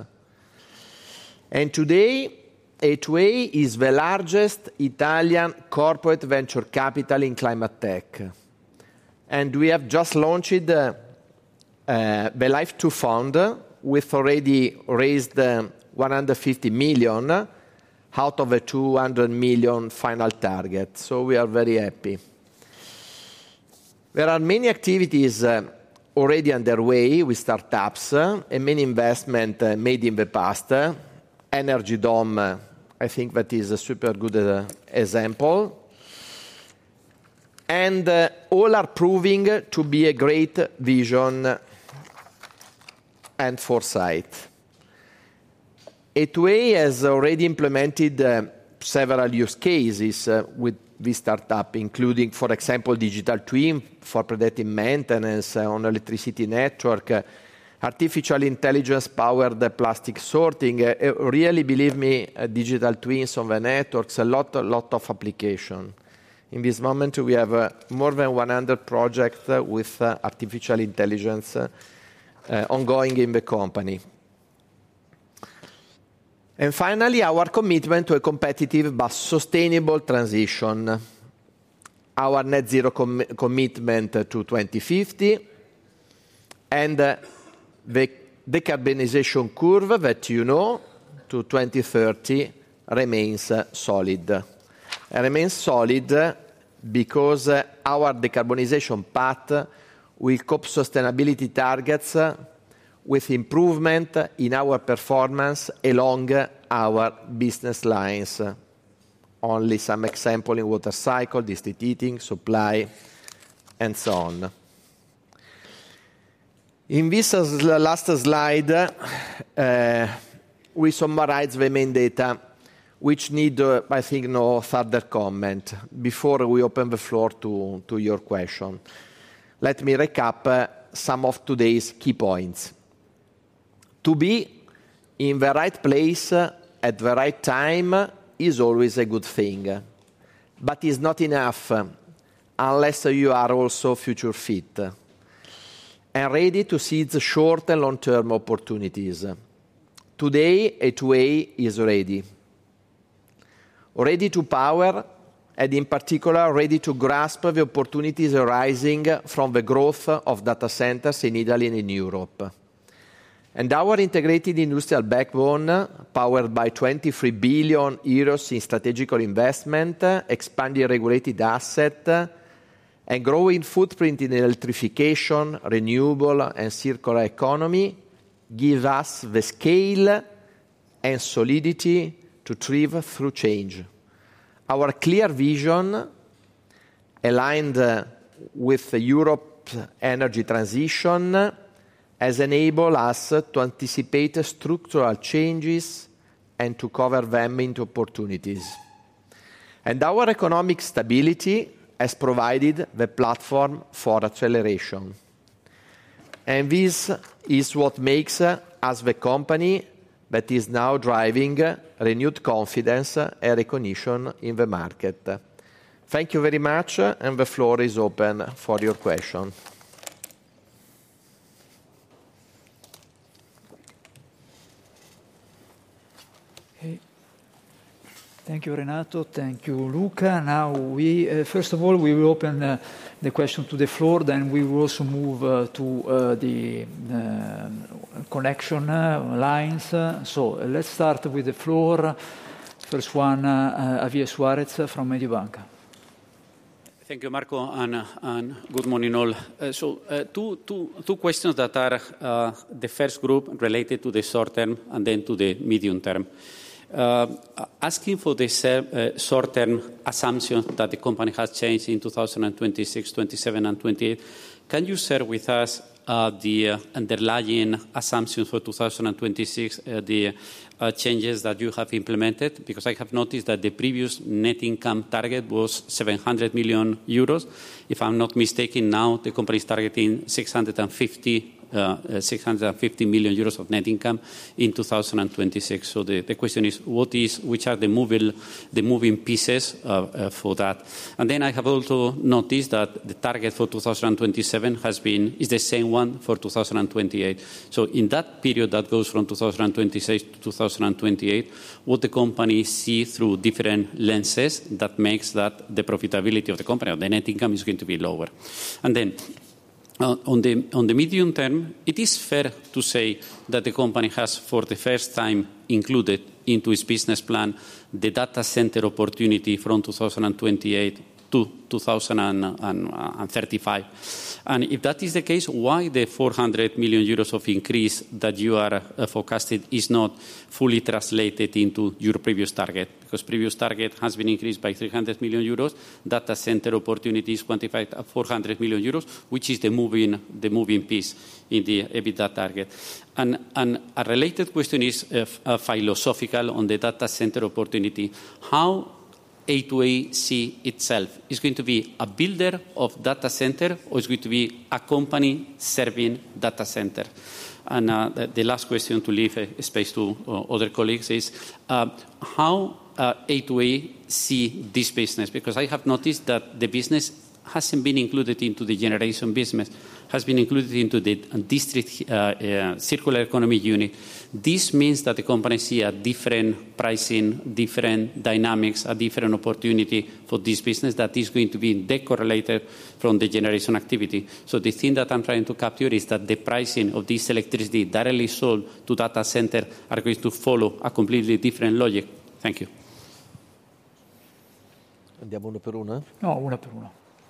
Today, A2A is the largest Italian corporate venture capital in climate tech. We have just launched the LIFE II fund, which already raised 150 million out of a 200 million final target. We are very happy. There are many activities already underway with startups and many investments made in the past. Energy Dome, I think that is a super good example. All are proving to be a great vision and foresight. A2A has already implemented several use cases with startups, including, for example, digital twin for predictive maintenance on electricity network, artificial intelligence-powered plastic sorting. Really, believe me, digital twins on the networks, a lot of applications. In this moment, we have more than 100 projects with artificial intelligence ongoing in the company. Finally, our commitment to a competitive but sustainable transition, our net zero commitment to 2050, and the decarbonization curve that you know to 2030 remains solid. It remains solid because our decarbonization path will cope sustainability targets with improvement in our performance along our business lines. Only some examples in water cycle, district heating, supply, and so on. In this last slide, we summarize the main data, which need, I think, no further comment before we open the floor to your question. Let me recap some of today's key points. To be in the right place at the right time is always a good thing, but it's not enough unless you are also future-fit and ready to seize short and long-term opportunities. Today, A2A is ready. Ready to power, and in particular, ready to grasp the opportunities arising from the growth of data centers in Italy and in Europe. Our integrated industrial backbone, powered by 23 billion euros in strategical investment, expanding regulated assets, and growing footprint in electrification, renewable, and Circular Economy, gives us the scale and solidity to thrive through change. Our clear vision, aligned with the Europe Energy Transition, has enabled us to anticipate structural changes and to cover them into opportunities. Our economic stability has provided the platform for acceleration. This is what makes us the company that is now driving renewed confidence and recognition in the market. Thank you very much, and the floor is open for your question.
Thank you, Renato. Thank you, Luca. First of all, we will open the question to the floor. We will also move to the connection lines. Let's start with the floor. First one, Javier Suarez from Mediobanca.
Thank you, Marco, and good morning all. Two questions that are the first group related to the short term and then to the medium term. Asking for the short-term assumption that the company has changed in 2026, 2027, and 2028. Can you share with us the underlying assumptions for 2026, the changes that you have implemented? Because I have noticed that the previous net income target was 700 million euros. If I'm not mistaken, now the company is targeting 650 million euros of net income in 2026. The question is, which are the moving pieces for that? I have also noticed that the target for 2027 has been the same one for 2028. In that period that goes from 2026 to 2028, what the company sees through different lenses that makes that the profitability of the company or the net income is going to be lower. On the medium term, it is fair to say that the company has for the first time included into its business plan the data center opportunity from 2028 to 2035. If that is the case, why the 400 million euros of increase that you are forecasting is not fully translated into your previous target? Because the previous target has been increased by 300 million euros. Data center opportunities quantified at 400 million euros, which is the moving piece in the EBITDA target. A related question is philosophical on the data center opportunity. How does A2A see itself? Is it going to be a builder of data center, or is it going to be a company serving data center? The last question to leave space to other colleagues is, how does A2A see this business? I have noticed that the business has not been included into the Generation business, it has been included into the district Circular Economy unit. This means that the company sees a different pricing, different dynamics, a different opportunity for this business that is going to be decorrelated from the Generation activity. The thing that I am trying to capture is that the pricing of this electricity that is sold to data centers is going to follow a completely different logic. Thank you.
Do you have one per one?
No, one per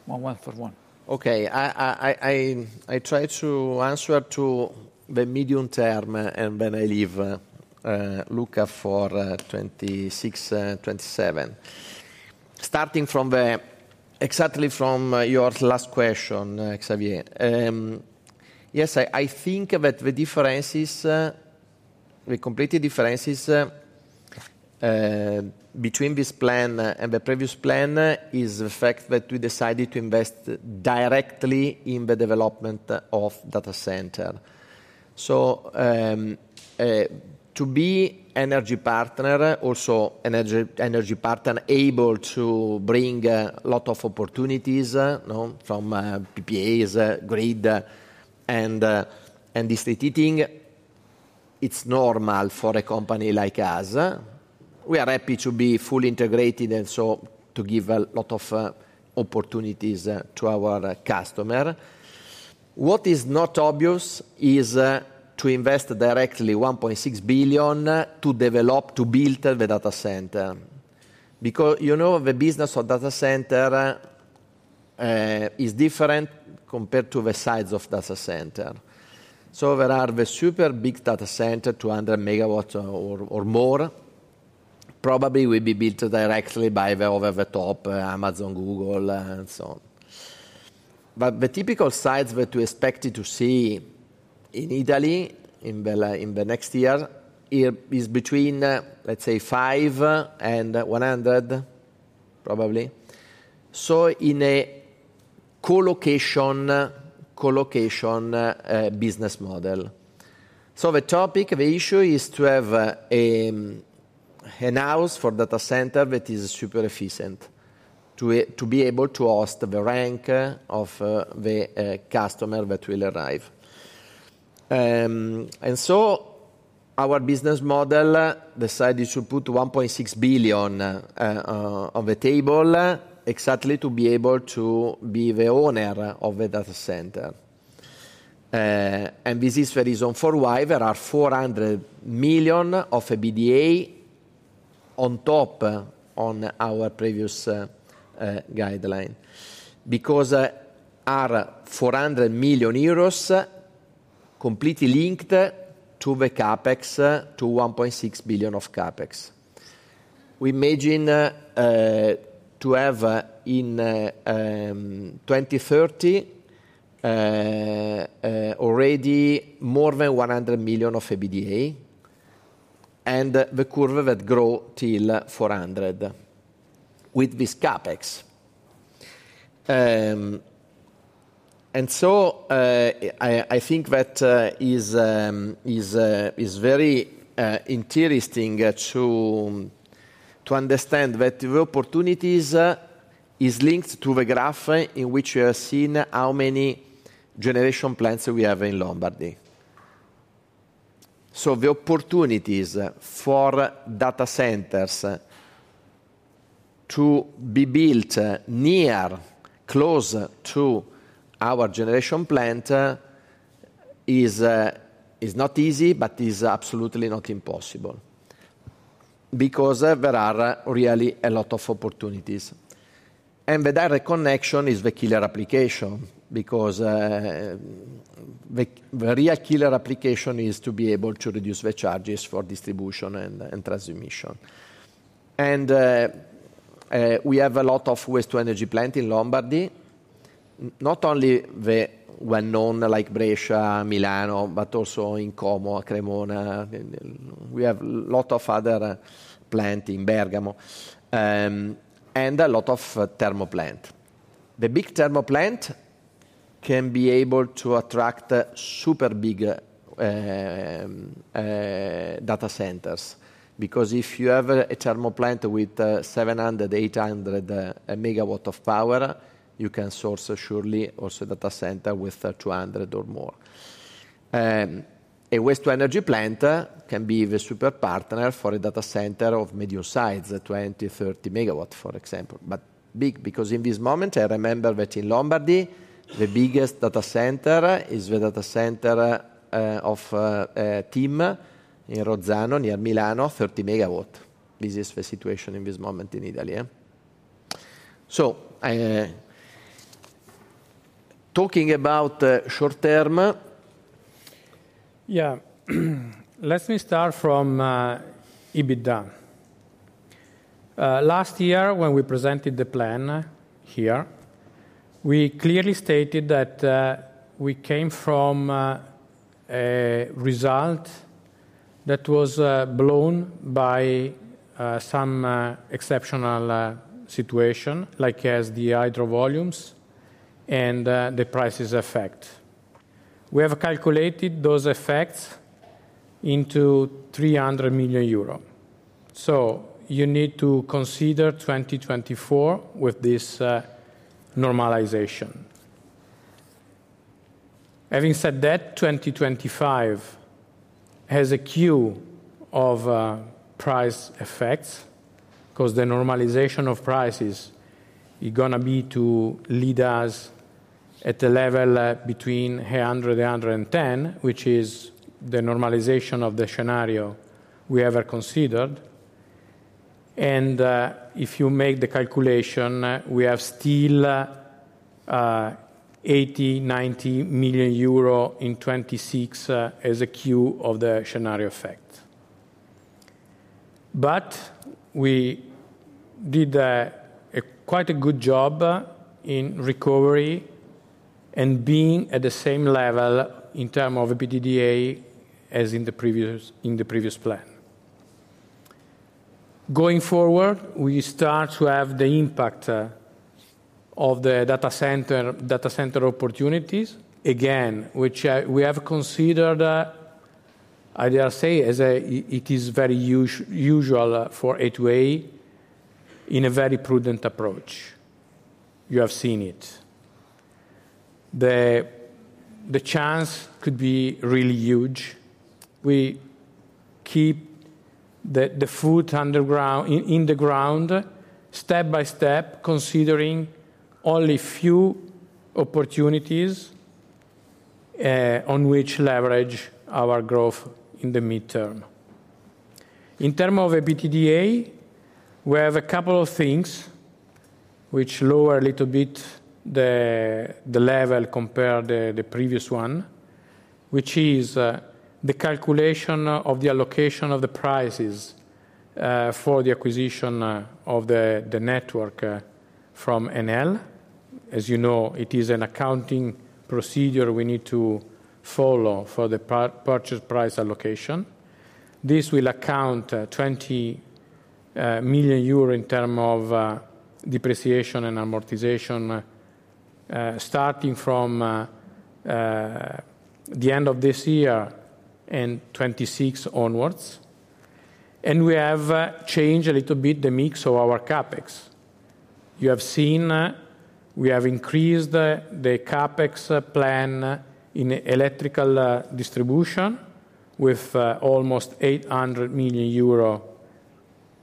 one. One for one.
Okay. I try to answer to the medium term, and then I leave Luca for 2026, 2027. Starting exactly from your last question, Javier. Yes, I think that the differences, the complete differences between this plan and the previous plan is the fact that we decided to invest directly in the development of data centers. To be an energy partner, also an energy partner able to bring a lot of opportunities from PPAs, grid, and district heating, it is normal for a company like us. We are happy to be fully integrated and to give a lot of opportunities to our customers. What is not obvious is to invest directly 1.6 billion to develop, to build the data center. Because the business of data centers is different compared to the size of data centers. There are the super big data centers, 200 MW or more, probably will be built directly by the over-the-top Amazon, Google, and so on. The typical size that we expect to see in Italy in the next year is between, let's say, 5 and 100, probably. In a co-location business model, the topic, the issue is to have a house for data centers that is super efficient to be able to host the rank of the customer that will arrive. Our business model decided to put 1.6 billion on the table exactly to be able to be the owner of the data center. This is the reason for why there are 400 million of EBITDA on top on our previous guideline. Because our 400 million euros completely linked to the CapEx, to 1.6 billion of CapEx. We imagine to have in 2030 already more than 100 million of EBITDA and the curve that grows till 400 million with this CapEx. I think that is very interesting to understand that the opportunities are linked to the graph in which you have seen how many generation plants we have in Lombardy. The opportunities for data centers to be built near, close to our generation plant is not easy, but is absolutely not impossible. There are really a lot of opportunities. The direct connection is the killer application. The real killer application is to be able to reduce the charges for distribution and transmission. We have a lot of waste-to-energy plant in Lombardy. Not only the well-known like Brescia, Milan, but also in Como, Cremona. We have a lot of other plants in Bergamo. And a lot of thermal plants. The big thermal plant can be able to attract super big data centers. Because if you have a thermal plant with 700 MW-800 MW of power, you can source surely also a data center with 200 MW or more. A waste-to-energy plant can be the super partner for a data center of medium size, 20 MW-30 MW, for example. But big, because in this moment, I remember that in Lombardy, the biggest data center is the data center of a team in Rozzano, near Milan, 30 MW. This is the situation in this moment in Italy. So talking about short term.
Yeah. Let me start from EBITDA. Last year, when we presented the plan here, we clearly stated that we came from a result that was blown by some exceptional situation, like as the hydro volumes and the prices effect. We have calculated those effects into 300 million euro. You need to consider 2024 with this normalization. Having said that, 2025 has a queue of price effects because the normalization of prices is going to be to lead us at the level between 100 million-110 million, which is the normalization of the scenario we ever considered. If you make the calculation, we have still 80 million-90 million euro in 2026 as a queue of the scenario effect. We did quite a good job in recovery and being at the same level in terms of EBITDA as in the previous plan. Going forward, we start to have the impact of the data center opportunities. Again, which we have considered, I dare say, as it is very usual for A2A in a very prudent approach. You have seen it. The chance could be really huge. We keep the foot in the ground step by step, considering only a few opportunities on which leverage our growth in the midterm. In terms of EBITDA, we have a couple of things which lower a little bit the level compared to the previous one, which is the calculation of the allocation of the prices for the acquisition of the network from Enel. As you know, it is an accounting procedure we need to follow for the purchase price allocation. This will account 20 million euro in terms of depreciation and amortization starting from the end of this year and 2026 onwards. And we have changed a little bit the mix of our CapEx. You have seen we have increased the CapEx plan in electrical distribution with almost 800 million euro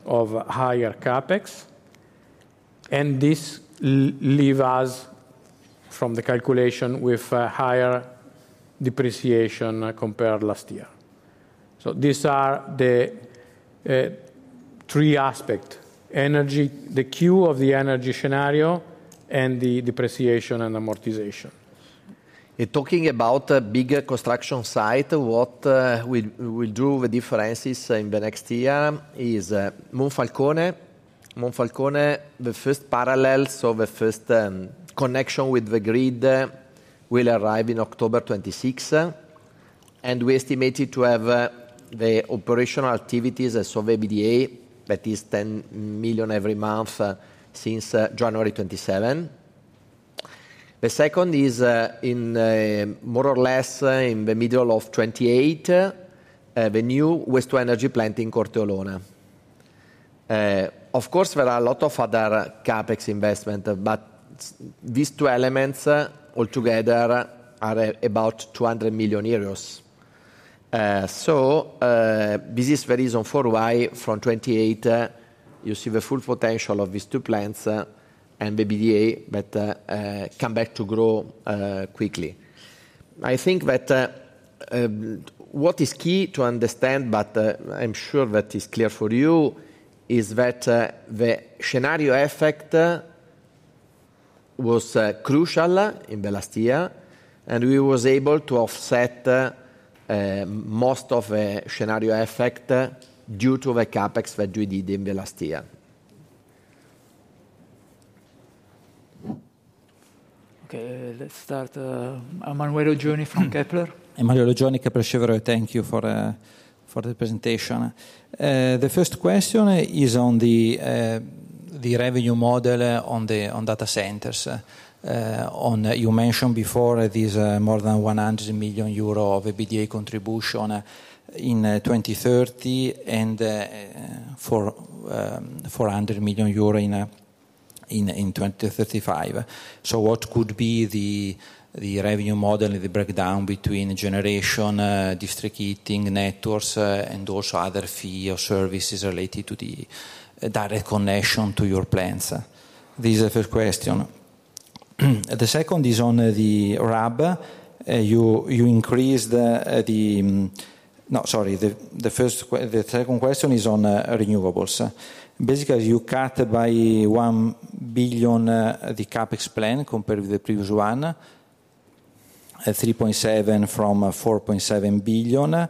of higher CapEx. This leaves us from the calculation with higher depreciation compared to last year. These are the three aspects: energy, the queue of the energy scenario, and the depreciation and amortization.
Talking about a bigger construction site, what will draw the differences in the next year is Monfalcone. Monfalcone, the first parallel, so the first connection with the grid will arrive in October 2026. We estimate to have the operational activities as of EBITDA that is 10 million every month since January 2027. The second is more or less in the middle of 2028, the new waste-to-energy plant in Corteolona. Of course, there are a lot of other CapEx investments, but these two elements altogether are about EUR 200 million. This is the reason why from 2028, you see the full potential of these two plants and EBITDA, but come back to grow quickly. I think that what is key to understand, but I am sure that is clear for you, is that the scenario effect was crucial in the last year. We were able to offset most of the scenario effect due to the CapEx that we did in the last year.
Okay. Let's start. Emanuele Oggioni from Kepler.
Emanuele Oggioni, Kepler Cheuvreux. Thank you for the presentation. The first question is on the revenue model on data centers. You mentioned before there is more than 100 million euro of EBITDA contribution in 2030 and 400 million euro in 2035. What could be the revenue model and the breakdown between generation, district heating, networks, and also other fee or services related to the direct connection to your plants? This is the first question. The second is on the RAB. You increased the—no, sorry. The second question is on renewables. Basically, you cut by 1 billion the CapEx plan compared with the previous one, 3.7 billion from 4.7 billion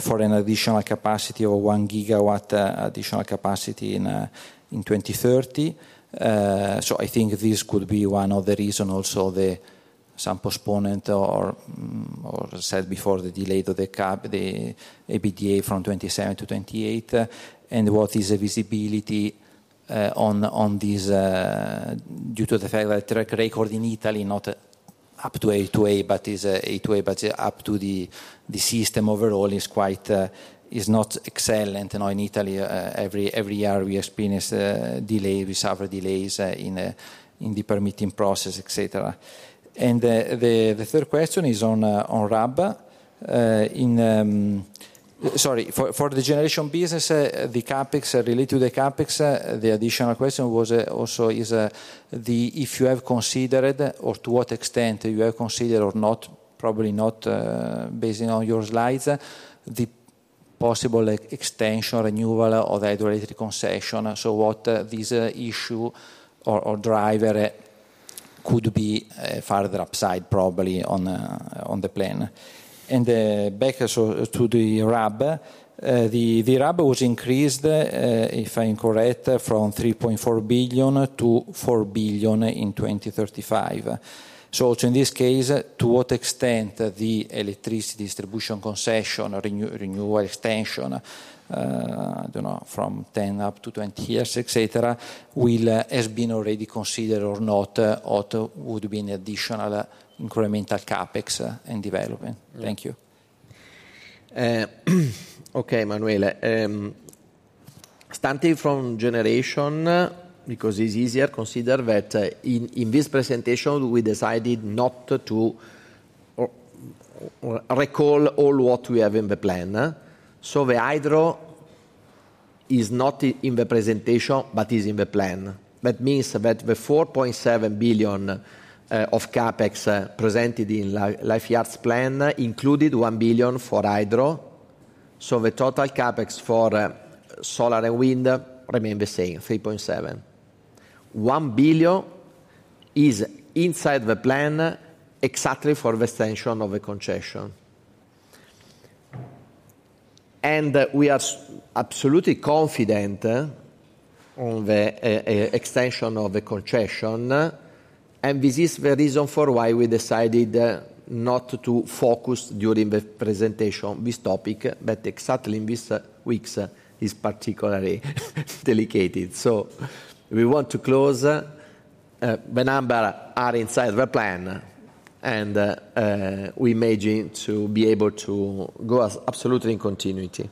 for an additional capacity of 1 GW additional capacity in 2030. I think this could be one of the reasons also the some postponement or, as I said before, the delay of the EBITDA from 2027 to 2028. What is the visibility on this due to the fact that the track record in Italy, not up to A2A, but is A2A, but up to the system overall, is not excellent. In Italy, every year we experience delays. We suffer delays in the permitting process, etc. The third question is on RAB. Sorry. For the Generation business, the CapEx related to the CapEx, the additional question was also if you have considered or to what extent you have considered or probably not, based on your slides, the possible extension, renewal, or the regulatory concession. What this issue or driver could be further upside probably on the plan. Back to the RAB, the RAB was increased, if I'm correct, from 3.4 billion to 4 billion in 2035. In this case, to what extent the electricity distribution concession or renewal extension from 10 up to 20 years, etc., has been already considered or not, or would be an additional incremental CapEx and development? Thank you.
Okay, Emanuele. Starting from generation, because it's easier to consider that in this presentation, we decided not to recall all what we have in the plan. The hydro is not in the presentation, but is in the plan. That means that the 4.7 billion of CapEx presented in Lifeyards plan included 1 billion for hydro. The total CapEx for Solar and Wind remained the same, 3.7 billion. 1 billion is inside the plan exactly for the extension of the concession. We are absolutely confident on the extension of the concession. This is the reason for why we decided not to focus during the presentation on this topic, but exactly in these weeks, it's particularly delicate. We want to close, the numbers are inside the plan. We imagine to be able to go absolutely in continuity.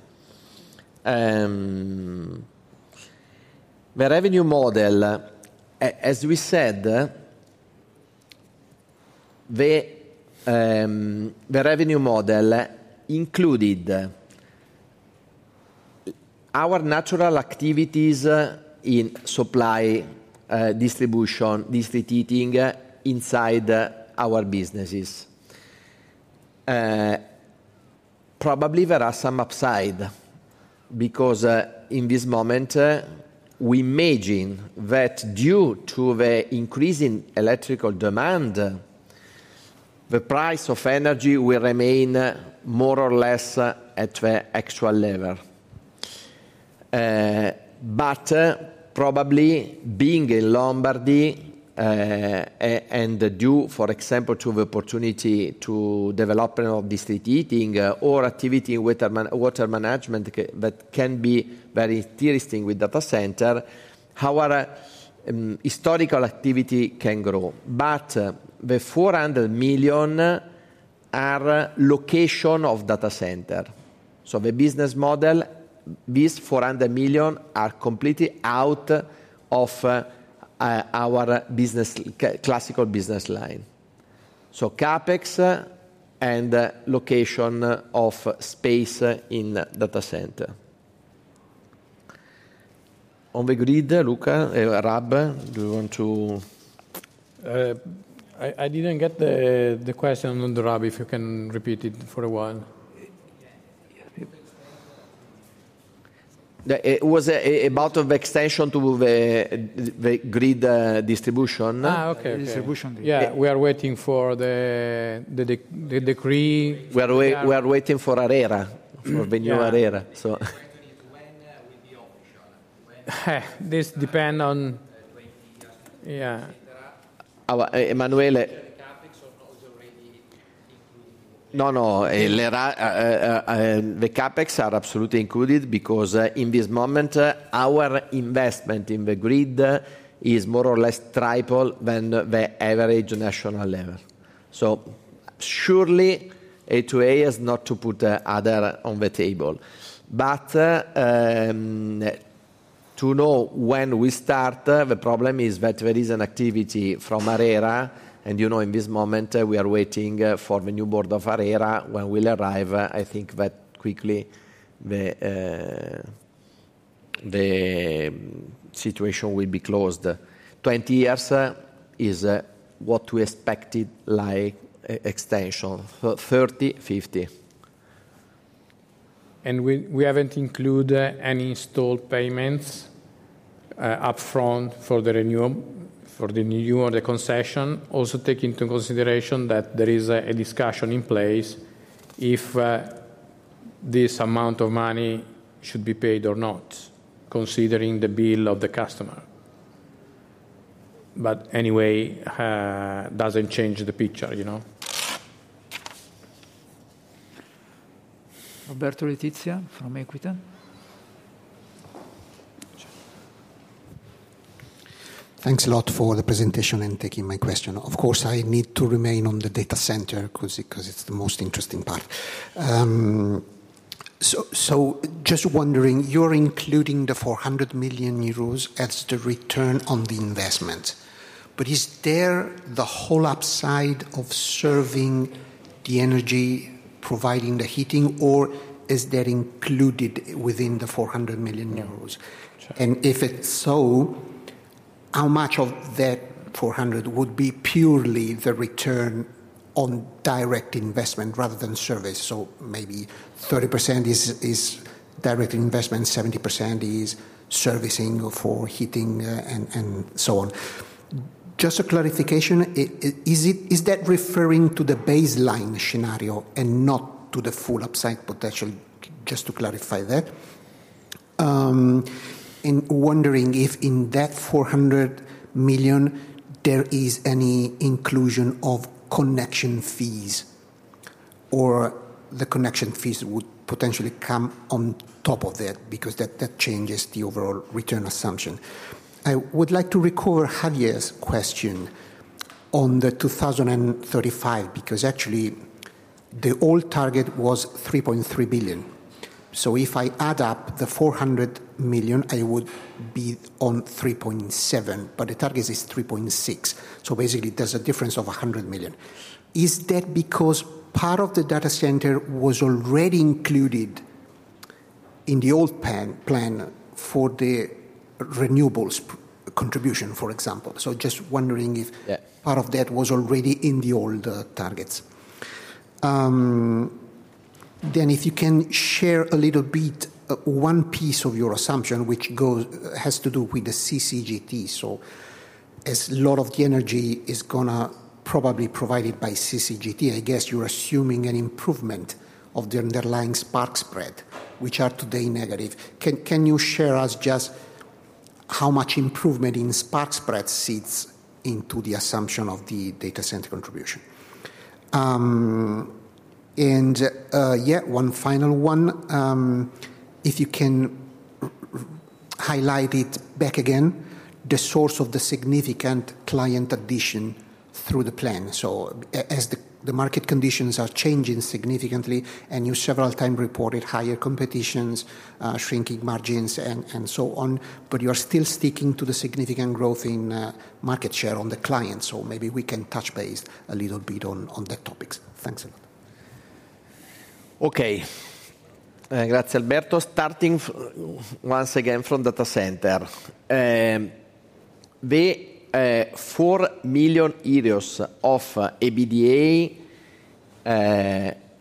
The revenue model, as we said, the revenue model included our natural activities in supply distribution, district heating inside our businesses. Probably there are some upside because in this moment, we imagine that due to the increasing electrical demand, the price of energy will remain more or less at the actual level. Probably being in Lombardy and due, for example, to the opportunity to develop district heating or activity in water management that can be very interesting with data center, our historical activity can grow. The 400 million are location of data center. The business model, these 400 million are completely out of our classical business line. CapEx and location of space in data center. On the grid, Luca, RAB, do you want to?
I did not get the question on the RAB if you can repeat it for a while.
It was about the extension to the grid distribution.
Okay. Distribution. Yeah. We are waiting for the decree.
We are waiting for ARERA, for the new ARERA.
So when will be official?
This depends on.
The 20, etc.
Emanuele.
CapEx or not is already included in the?
No, no. The CapEx are absolutely included because in this moment, our investment in the grid is more or less triple than the average national level. Surely A2A is not to put the other on the table. To know when we start, the problem is that there is an activity from ARERA. In this moment, we are waiting for the new board of ARERA. When we'll arrive, I think that quickly the situation will be closed. 20 years is what we expected like extension, 30, 50.
We haven't included any installed payments upfront for the renewal or the concession. Also take into consideration that there is a discussion in place if this amount of money should be paid or not, considering the bill of the customer. Anyway, it does not change the picture.
Roberto Letizia from Equita.
Thanks a lot for the presentation and taking my question. Of course, I need to remain on the data center because it is the most interesting part. Just wondering, you are including the 400 million euros as the return on the investment. Is there the whole upside of serving the energy, providing the heating, or is that included within the 400 million euros? If it is so, how much of that 400 million would be purely the return on direct investment rather than service? Maybe 30% is direct investment, 70% is servicing for heating and so on. Just a clarification, is that referring to the baseline scenario and not to the full upside potential? Just to clarify that. I am wondering if in that 400 million, there is any inclusion of connection fees or the connection fees would potentially come on top of that because that changes the overall return assumption. I would like to recall Javier's question on the 2035 because actually the old target was 3.3 billion. If I add up the 400 million, I would be on 3.7 billion, but the target is 3.6 billion. Basically, there is a difference of 100 million. Is that because part of the data center was already included in the old plan for the renewables contribution, for example? I am just wondering if part of that was already in the old targets. If you can share a little bit, one piece of your assumption which has to do with the CCGT. A lot of the energy is going to probably be provided by CCGT. I guess you're assuming an improvement of the underlying spark spread, which are today negative. Can you share with us just how much improvement in spark spread feeds into the assumption of the data center contribution? One final one. If you can highlight again the source of the significant client addition through the plan. As the market conditions are changing significantly and you several times reported higher competition, shrinking margins, and so on, but you're still sticking to the significant growth in market share on the client. Maybe we can touch base a little bit on that topic. Thanks a lot.
Okay. Grazie, Alberto. Starting once again from data center. The EUR 4 million of EBITDA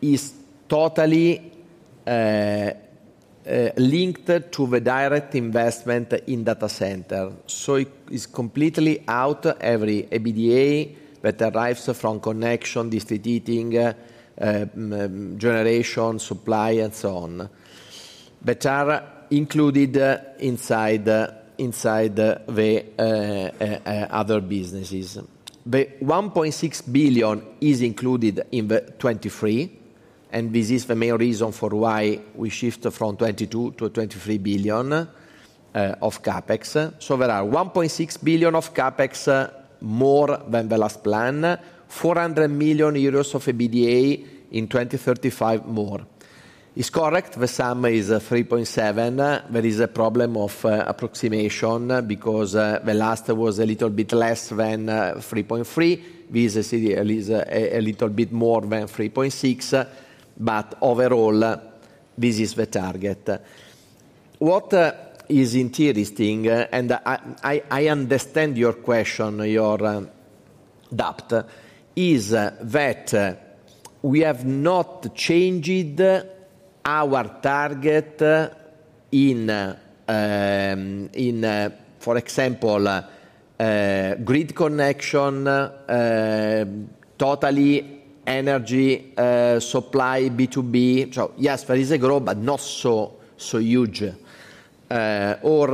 is totally linked to the direct investment in data center. It is completely out of every EBITDA that arrives from connection, district heating, generation, supply, and so on, which are included inside the other businesses. The 1.6 billion is included in the 23 billion. This is the main reason for why we shift from 22 billion to 23 billion of CapEx. There are 1.6 billion of CapEx more than the last plan, 400 million euros of EBITDA in 2035 more. It is correct. The sum is 3.7 billion. There is a problem of approximation because the last was a little bit less than 3.3 billion. This is a little bit more than 3.6 bilion. Overall, this is the target. What is interesting, and I understand your question, your doubt, is that we have not changed our target in, for example, grid connection, totally energy supply B2B. Yes, there is a growth, but not so huge. Or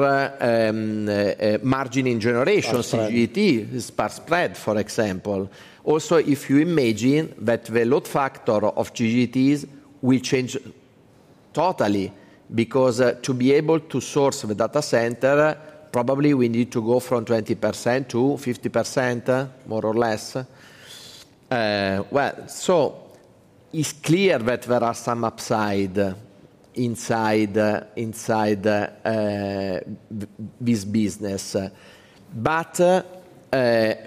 margin in Generation, CCGT, spark spread, for example. Also, if you imagine that the load factor of CCGTs will change totally because to be able to source the data center, probably we need to go from 20% to 50%, more or less. It is clear that there are some upside inside this business.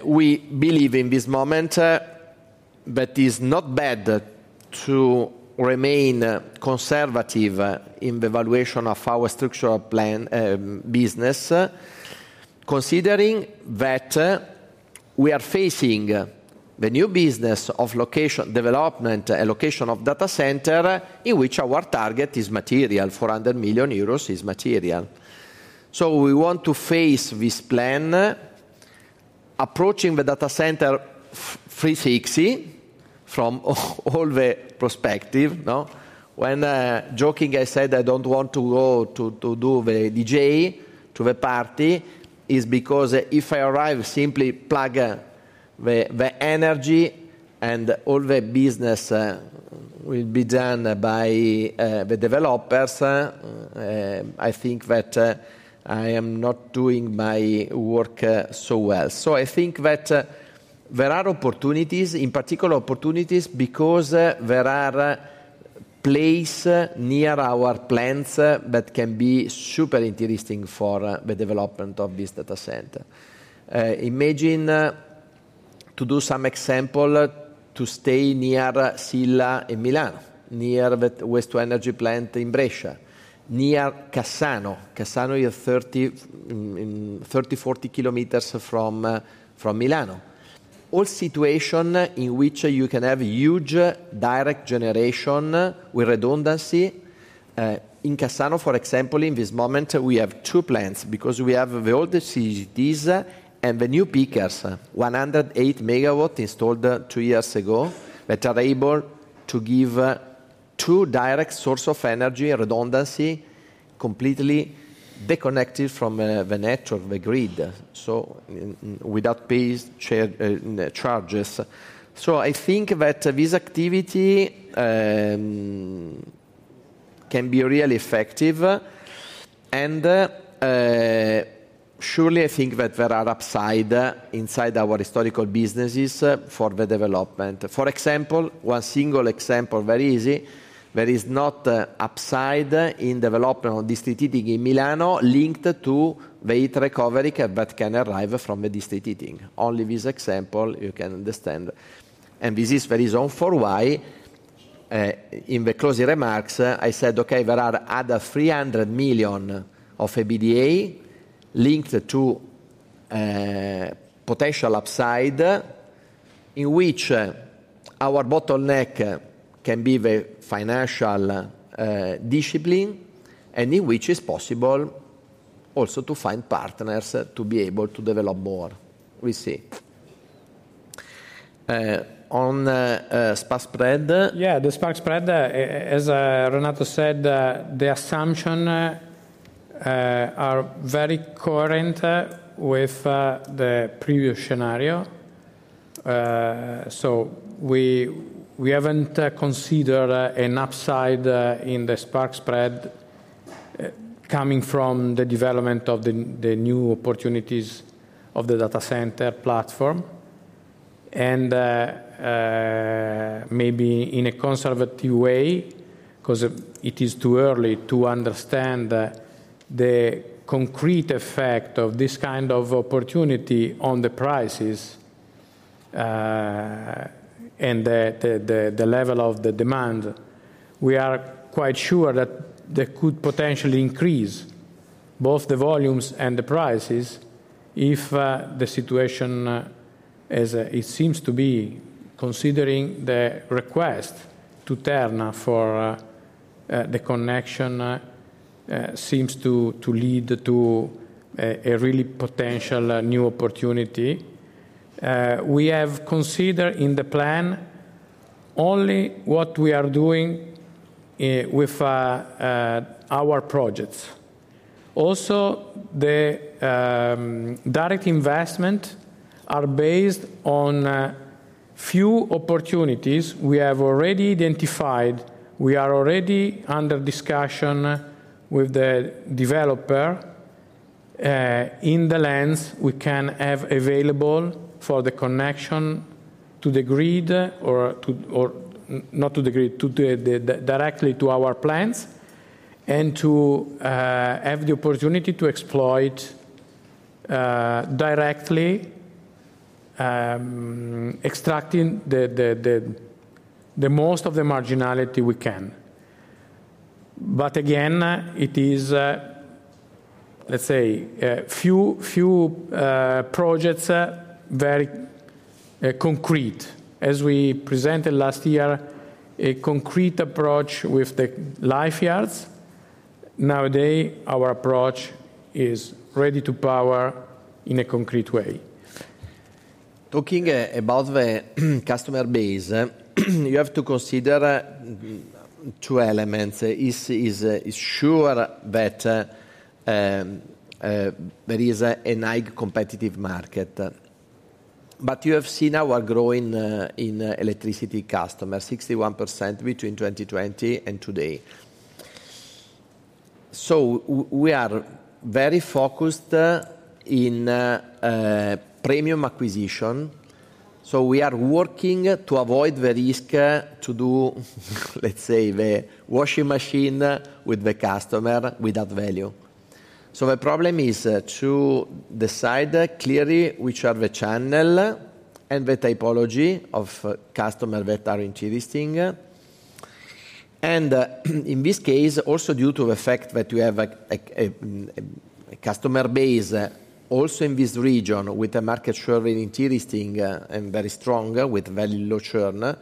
We believe in this moment that it is not bad to remain conservative in the evaluation of our structural business, considering that we are facing the new business of development and location of data center in which our target is material, 400 million euros is material. We want to face this plan approaching the data center 360 from all the perspective. When joking, I said I don't want to go to do the DJ to the party is because if I arrive, simply plug the energy and all the business will be done by the developers. I think that I am not doing my work so well. I think that there are opportunities, in particular opportunities, because there are places near our plants that can be super interesting for the development of this data center. Imagine to do some example to stay near Sila in Milan, near the waste-to-energy plant in Brescia, near Cassano. Cassano is 30 km-40 km from Milan. All situation in which you can have huge direct generation with redundancy. In Cassano, for example, in this moment, we have two plants because we have the old CCGTs and the new pickers, 108 MW installed two years ago that are able to give two direct sources of energy redundancy completely deconnected from the network, the grid, so without pay charges. I think that this activity can be really effective. Surely I think that there are upside inside our historical businesses for the development. For example, one single example, very easy, there is not upside in development of district heating in Milan linked to the heat recovery that can arrive from the district heating. Only this example you can understand. This is very zoned for why in the closing remarks, I said, "Okay, there are other 300 million of EBITDA linked to potential upside in which our bottleneck can be the financial discipline and in which it is possible also to find partners to be able to develop more." We see. On spark spread.
Yeah, the spark spread, as Renato said, the assumptions are very current with the previous scenario. We have not considered an upside in the spark spread coming from the development of the new opportunities of the data center platform. Maybe in a conservative way because it is too early to understand the concrete effect of this kind of opportunity on the prices and the level of the demand. We are quite sure that they could potentially increase both the volumes and the prices if the situation, as it seems to be, considering the request to Terna for the connection seems to lead to a really potential new opportunity. We have considered in the plan only what we are doing with our projects. Also, the direct investments are based on few opportunities we have already identified. We are already under discussion with the developer in the length we can have available for the connection to the grid or not to the grid, directly to our plants and to have the opportunity to exploit directly, extracting the most of the marginality we can. Again, it is, let's say, few projects, very concrete. As we presented last year, a concrete approach with the Lifeyards. Nowadays, our approach is ready to power in a concrete way.
Talking about the customer base, you have to consider two elements. It is sure that there is a high competitive market. You have seen our growing in electricity customers, 61% between 2020 and today. We are very focused in premium acquisition. We are working to avoid the risk to do, let's say, the washing machine with the customer without value. The problem is to decide clearly which are the channel and the typology of customers that are interesting. In this case, also due to the fact that we have a customer base also in this region with a market share very interesting and very strong with very low churn,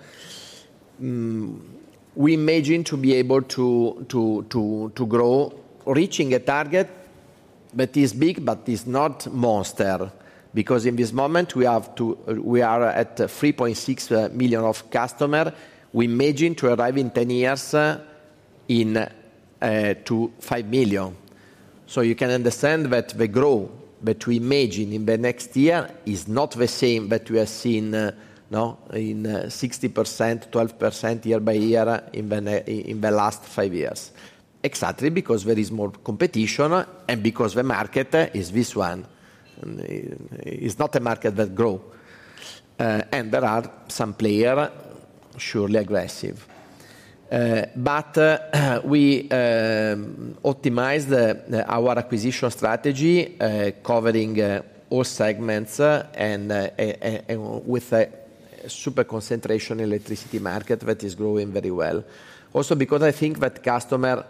we imagine to be able to grow, reaching a target that is big, but it is not monster because in this moment, we are at 3.6 million of customers. We imagine to arrive in 10 years into 5 million. You can understand that the growth that we imagine in the next year is not the same that we have seen in 60%, 12% year by year in the last five years. Exactly because there is more competition and because the market is this one. It is not a market that grows. There are some players surely aggressive. We optimized our acquisition strategy, covering all segments and with a super concentration electricity market that is growing very well. Also because I think that customer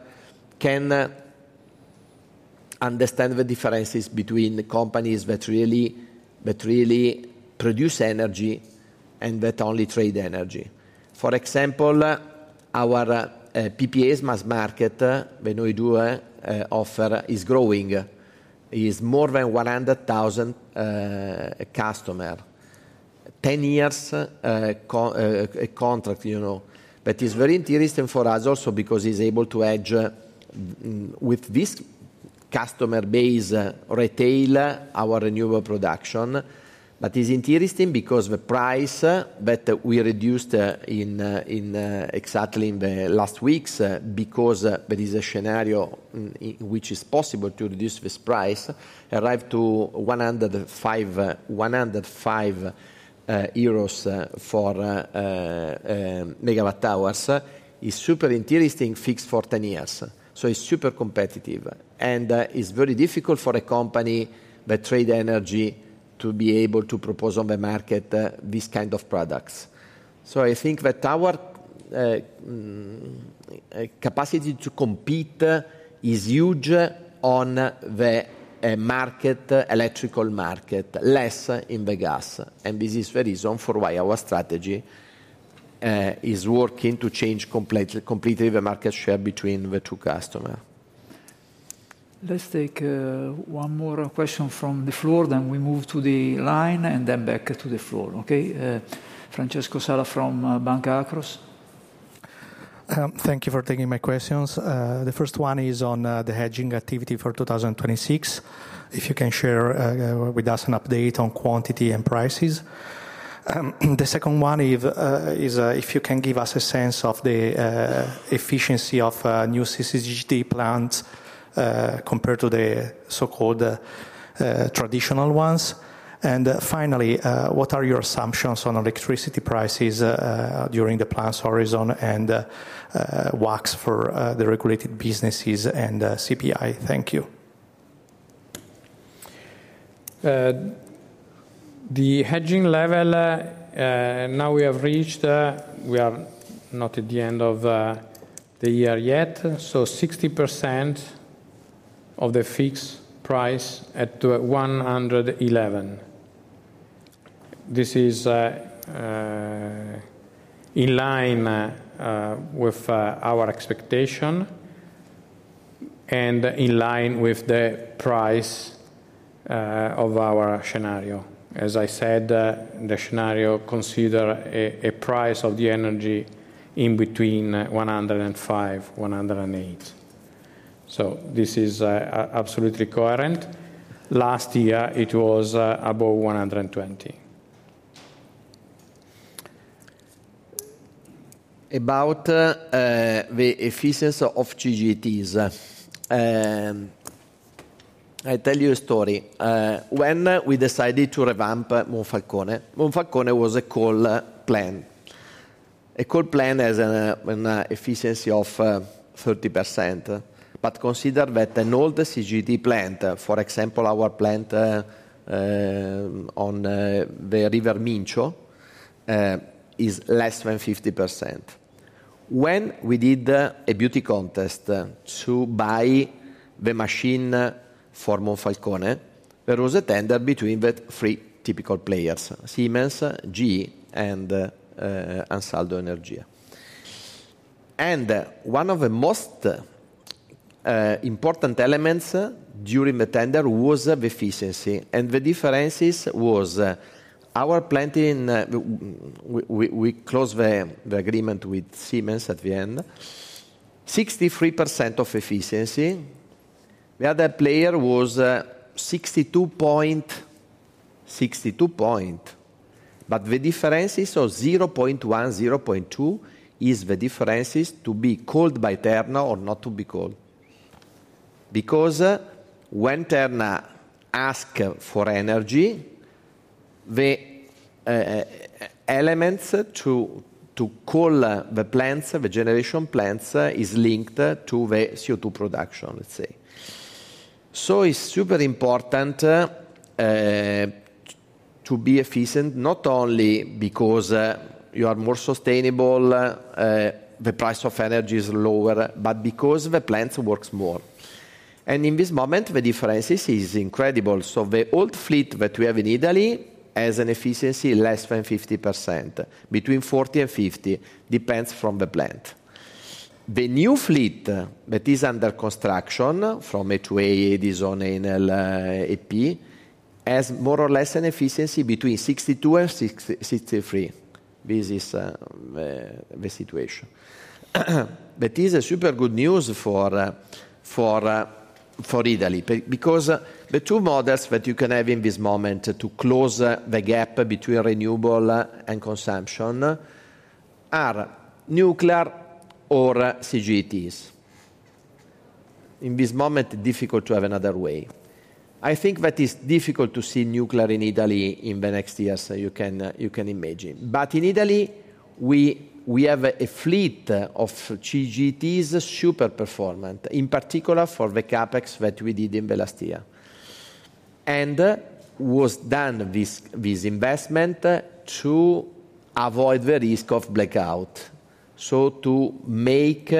can understand the differences between companies that really produce energy and that only trade energy. For example, our PPA Mass Market, when we do offer, is growing. It is more than 100,000 customers. Ten years contract that is very interesting for us also because it's able to hedge with this customer base retail, our renewable production. It is interesting because the price that we reduced exactly in the last weeks, because there is a scenario in which it's possible to reduce this price, arrived to 105 euros for megawatt hours. It is super interesting, fixed for ten years. It is super competitive. It is very difficult for a company that trades energy to be able to propose on the market these kinds of products. I think that our capacity to compete is huge on the electrical market, less in the gas. This is the reason why our strategy is working to change completely the market share between the two customers.
Let's take one more question from the floor, then we move to the line and then back to the floor. Okay. Francesco Sala from Banca Akros.
Thank you for taking my questions. The first one is on the hedging activity for 2026. If you can share with us an update on quantity and prices. The second one is if you can give us a sense of the efficiency of new CCGT plants compared to the so-called traditional ones. Finally, what are your assumptions on electricity prices during the planned horizon and WACCs for the regulated businesses and CPI? Thank you.
The hedging level now we have reached, we are not at the end of the year yet. So 60% of the fixed price at 111. This is in line with our expectation and in line with the price of our scenario. As I said, the scenario considers a price of the energy in between 105-108. This is absolutely current. Last year, it was above 120.
About the efficiency of CCGTs, I'll tell you a story. When we decided to revamp Monfalcone, Monfalcone was a coal plant. A coal plant has an efficiency of 30%, but consider that an old CCGT plant, for example, our plant on the River Mincio, is less than 50%. When we did a beauty contest to buy the machine for Monfalcone, there was a tender between the three typical players, Siemens, GE, and Ansaldo Energia. One of the most important elements during the tender was the efficiency. The difference was our plant in, we closed the agreement with Siemens at the end, 63% of efficiency. The other player was 62.0%. The difference is 0.1, 0.2 is the difference to be called by Terna or not to be called. Because when Terna asks for energy, the elements to call the plants, the generation plants, are linked to the CO2 production, let's say. It is super important to be efficient, not only because you are more sustainable, the price of energy is lower, but because the plants work more. In this moment, the difference is incredible. The old fleet that we have in Italy has an efficiency less than 50%, between 40%-50%, depends on the plant. The new fleet that is under construction from HOA [AD Zone NL8P] has more or less an efficiency between 62%-63%. This is the situation. That is super good news for Italy because the two models that you can have in this moment to close the gap between renewable and consumption are nuclear or CCGTs. In this moment, difficult to have another way. I think that it's difficult to see nuclear in Italy in the next years, you can imagine. In Italy, we have a fleet of CCGTs super performant, in particular for the CapEx that we did in the last year. It was done with investment to avoid the risk of blackout, to make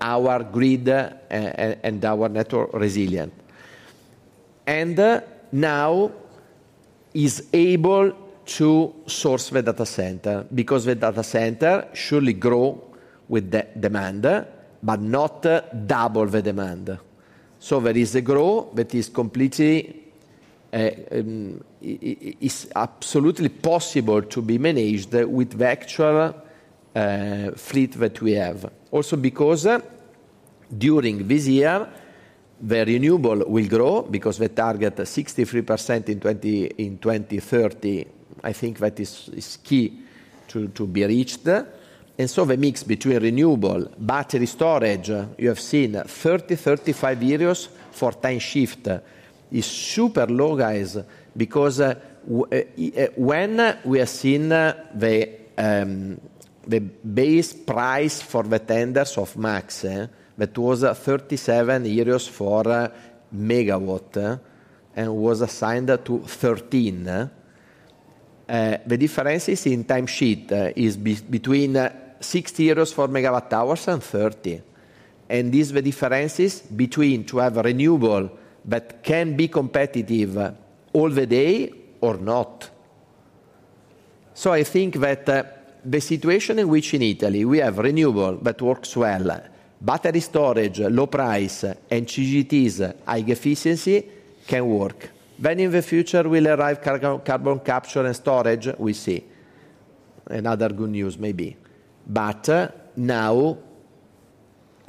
our grid and our network resilient. Now it is able to source the data center because the data center surely grows with the demand, but not double the demand. There is a growth that is completely absolutely possible to be managed with the actual fleet that we have. Also because during this year, the renewable will grow because the target is 63% in 2030. I think that is key to be reached. The mix between renewable, battery storage, you have seen 30-35 euros for time shift is super low, guys, because when we have seen the base price for the tenders of MACSE, that was 37 euros for megawatt and was assigned to 13. The difference in time shift is between 60 euros for megawatt hours and 30. These are the differences between having renewable that can be competitive all the day or not. I think that the situation in which in Italy we have renewable that works well, battery storage, low price, and CCGTs, high efficiency, can work. When in the future carbon capture and storage will arrive, we'll see. Another good news maybe. Now it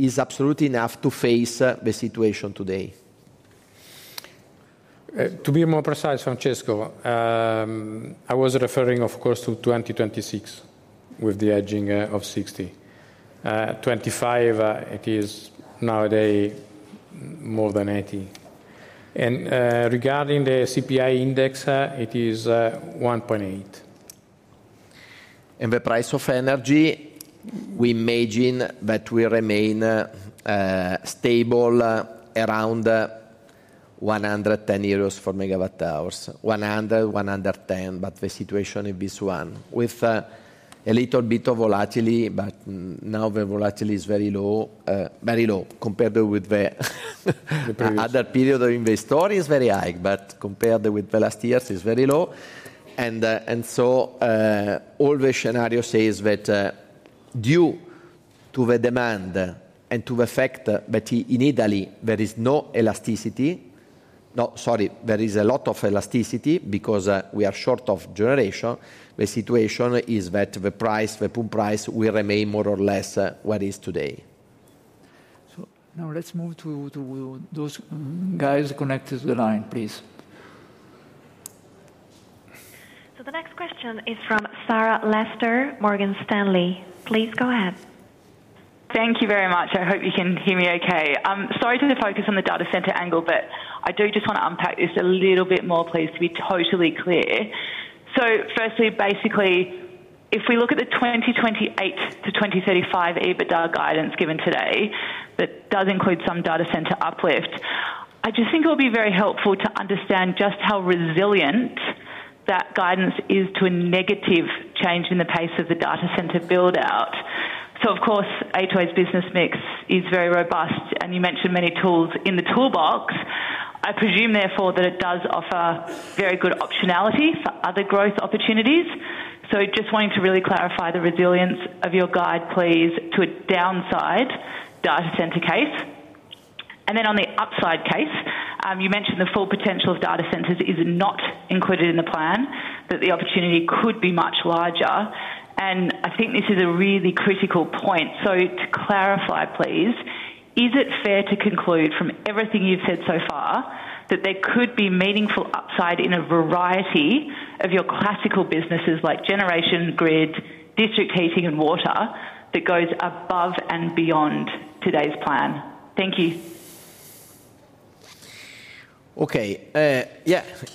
is absolutely enough to face the situation today.
To be more precise, Francesco, I was referring, of course, to 2026 with the edging of 60. 2025, it is nowadays more than 80. Regarding the CPI index, it is 1.8.
The price of energy, we imagine that we remain stable around 110 euros per megawatt hour. 100-110, but the situation in this one with a little bit of volatility, but now the volatility is very low, very low compared with the other period of investor is very high, but compared with the last years, it is very low. All the scenarios say that due to the demand and to the fact that in Italy, there is no elasticity. No, sorry, there is a lot of elasticity because we are short of generation. The situation is that the price, the poor price, will remain more or less where it is today.
Now let's move to those guys connected to the line, please.
The next question is from Sarah Lester, Morgan Stanley. Please go ahead.
Thank you very much. I hope you can hear me okay. I'm sorry to focus on the data center angle, but I do just want to unpack this a little bit more, please, to be totally clear. Firstly, basically, if we look at the 2028 to 2035 EBITDA guidance given today, that does include some data center uplift. I just think it would be very helpful to understand just how resilient that guidance is to a negative change in the pace of the data center build-out. Of course, A2A's business mix is very robust, and you mentioned many tools in the toolbox. I presume therefore that it does offer very good optionality for other growth opportunities. Just wanting to really clarify the resilience of your guide, please, to a downside data center case. And then on the upside case, you mentioned the full potential of data centers is not included in the plan, that the opportunity could be much larger. I think this is a really critical point. To clarify, please, is it fair to conclude from everything you've said so far that there could be meaningful upside in a variety of your classical businesses like Generation, grid, district heating, and water that goes above and beyond today's plan? Thank you.
Okay.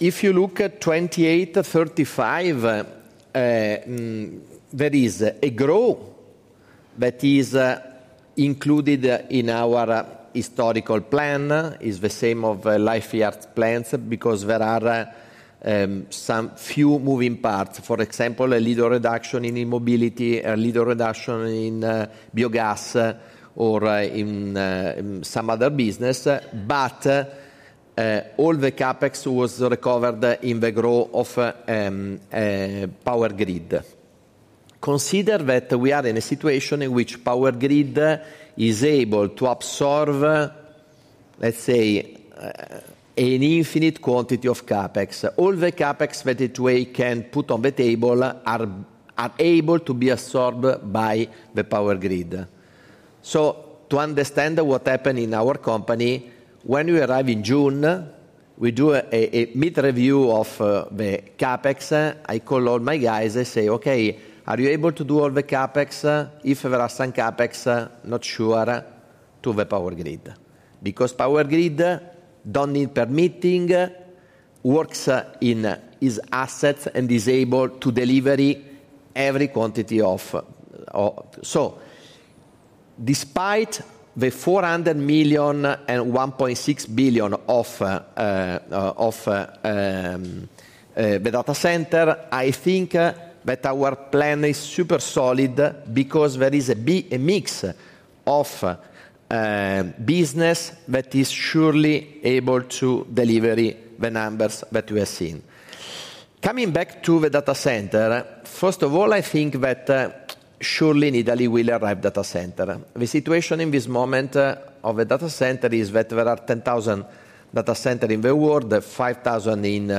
If you look at 2028-2035, there is a growth that is included in our historical plan. It's the same of Lifeyard plans because there are some few moving parts. For example, a little reduction in mobility, a little reduction in biogas or in some other business. All the CapEx was recovered in the growth of power grid. Consider that we are in a situation in which power grid is able to absorb, let's say, an infinite quantity of CapEx. All the CapEx that A2A can put on the table are able to be absorbed by the power grid. To understand what happened in our company, when we arrive in June, we do a mid-review of the CapEx. I call all my guys. I say, "Okay, are you able to do all the CapEx? If there are some CapEx, not sure, to the power grid." Because power grid does not need permitting, works in its assets, and is able to deliver every quantity of. Despite the 400 million and 1.6 billion of the data center, I think that our plan is super solid because there is a mix of business that is surely able to deliver the numbers that we have seen. Coming back to the data center, first of all, I think that surely in Italy will arrive data center. The situation in this moment of the data center is that there are 10,000 data centers in the world, 5,000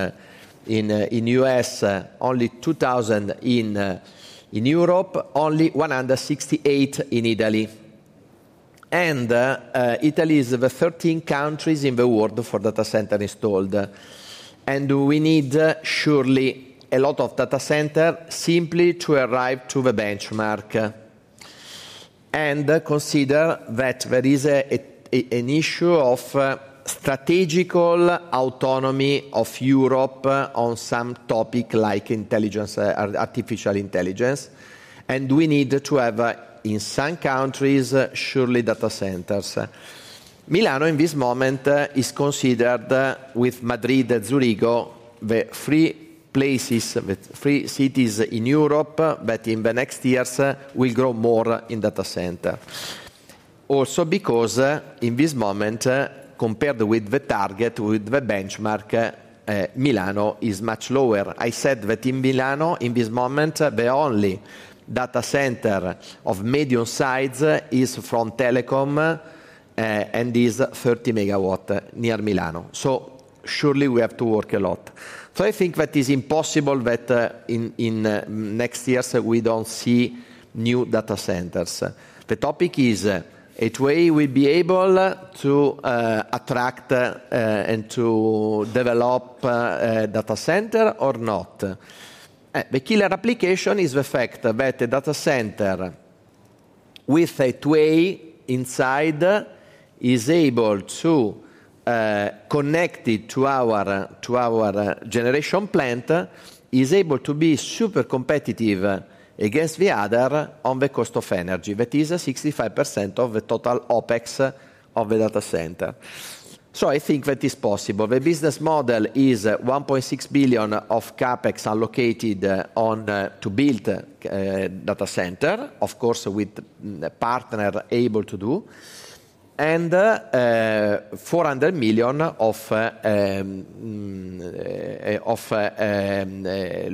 in the U.S., only 2,000 in Europe, only 168 in Italy. Italy is the 13th country in the world for data centers installed. We need surely a lot of data centers simply to arrive to the benchmark. Consider that there is an issue of strategical autonomy of Europe on some topic like intelligence, artificial intelligence. We need to have in some countries surely data centers. Milan in this moment is considered with Madrid and Zurich, the three places, the three cities in Europe that in the next years will grow more in data center. Also because in this moment, compared with the target, with the benchmark, Milan is much lower. I said that in Milan, in this moment, the only data center of medium size is from Telecom and is 30 MW near Milan. Surely we have to work a lot. I think that it's impossible that in next years we don't see new data centers. The topic is A2A will be able to attract and to develop data center or not. The killer application is the fact that the data center with A2A inside is able to connect it to our generation plant, is able to be super competitive against the other on the cost of energy. That is 65% of the total OpEx of the data center. I think that is possible. The business model is 1.6 billion of CapEx allocated to build data centers, of course with the partner able to do. And EUR 400 million of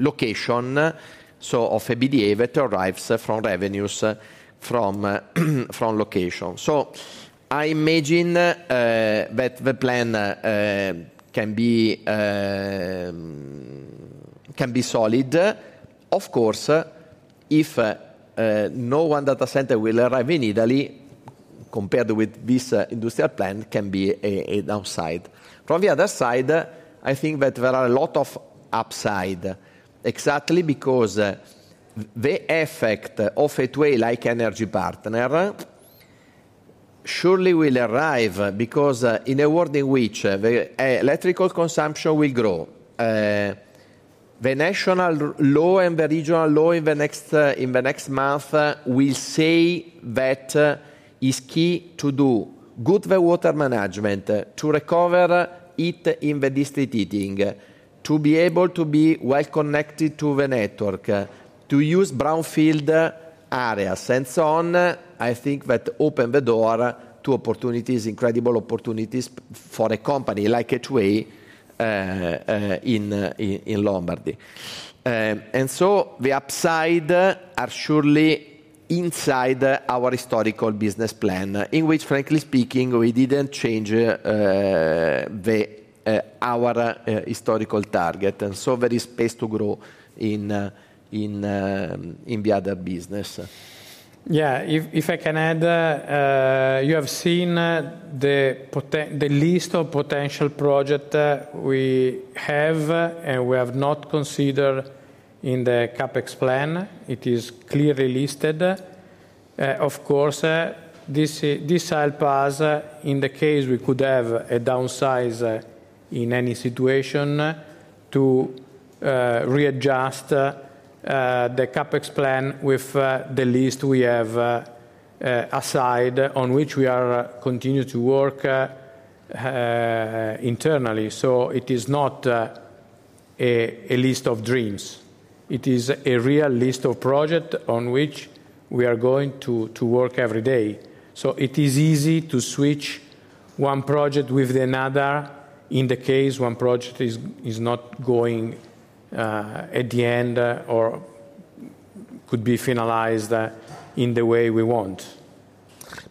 location, so of EBITDA that arrives from revenues from location. I imagine that the plan can be solid. Of course, if no one data center will arrive in Italy, compared with this industrial plan, can be an outside. From the other side, I think that there are a lot of upside, exactly because the effect of HOA-like energy partner surely will arrive because in a world in which electrical consumption will grow, the national law and the regional law in the next months will say that it's key to do good water management, to recover it in the district heating, to be able to be well connected to the network, to use brownfield areas. I think that opens the door to opportunities, incredible opportunities for a company like A2A in Lombardy. The upside is surely inside our historical business plan, in which, frankly speaking, we did not change our historical target. There is space to grow in the other business.
Yeah. If I can add, you have seen the list of potential projects we have and we have not considered in the CapEx plan. It is clearly listed. Of course, this helps us in the case we could have a downsize in any situation to readjust the CapEx plan with the list we have aside on which we are continuing to work internally. It is not a list of dreams. It is a real list of projects on which we are going to work every day. It is easy to switch one project with another in the case one project is not going at the end or could be finalized in the way we want.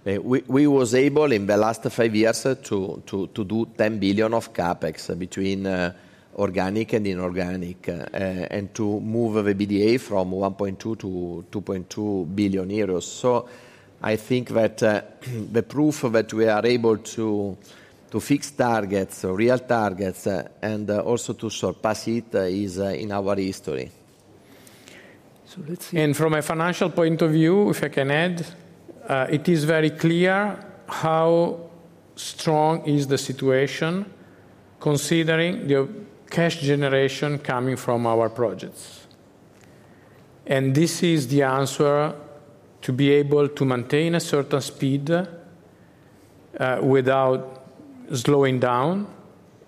We were able in the last five years to do 10 billion of CapEx between organic and inorganic and to move the EBITDA from 1.2 billion to 2.2 billion euros. I think that the proof that we are able to fix targets, real targets, and also to surpass it is in our history. From a financial point of view, if I can add, it is very clear how strong the situation is considering the cash generation coming from our projects. This is the answer to be able to maintain a certain speed without slowing down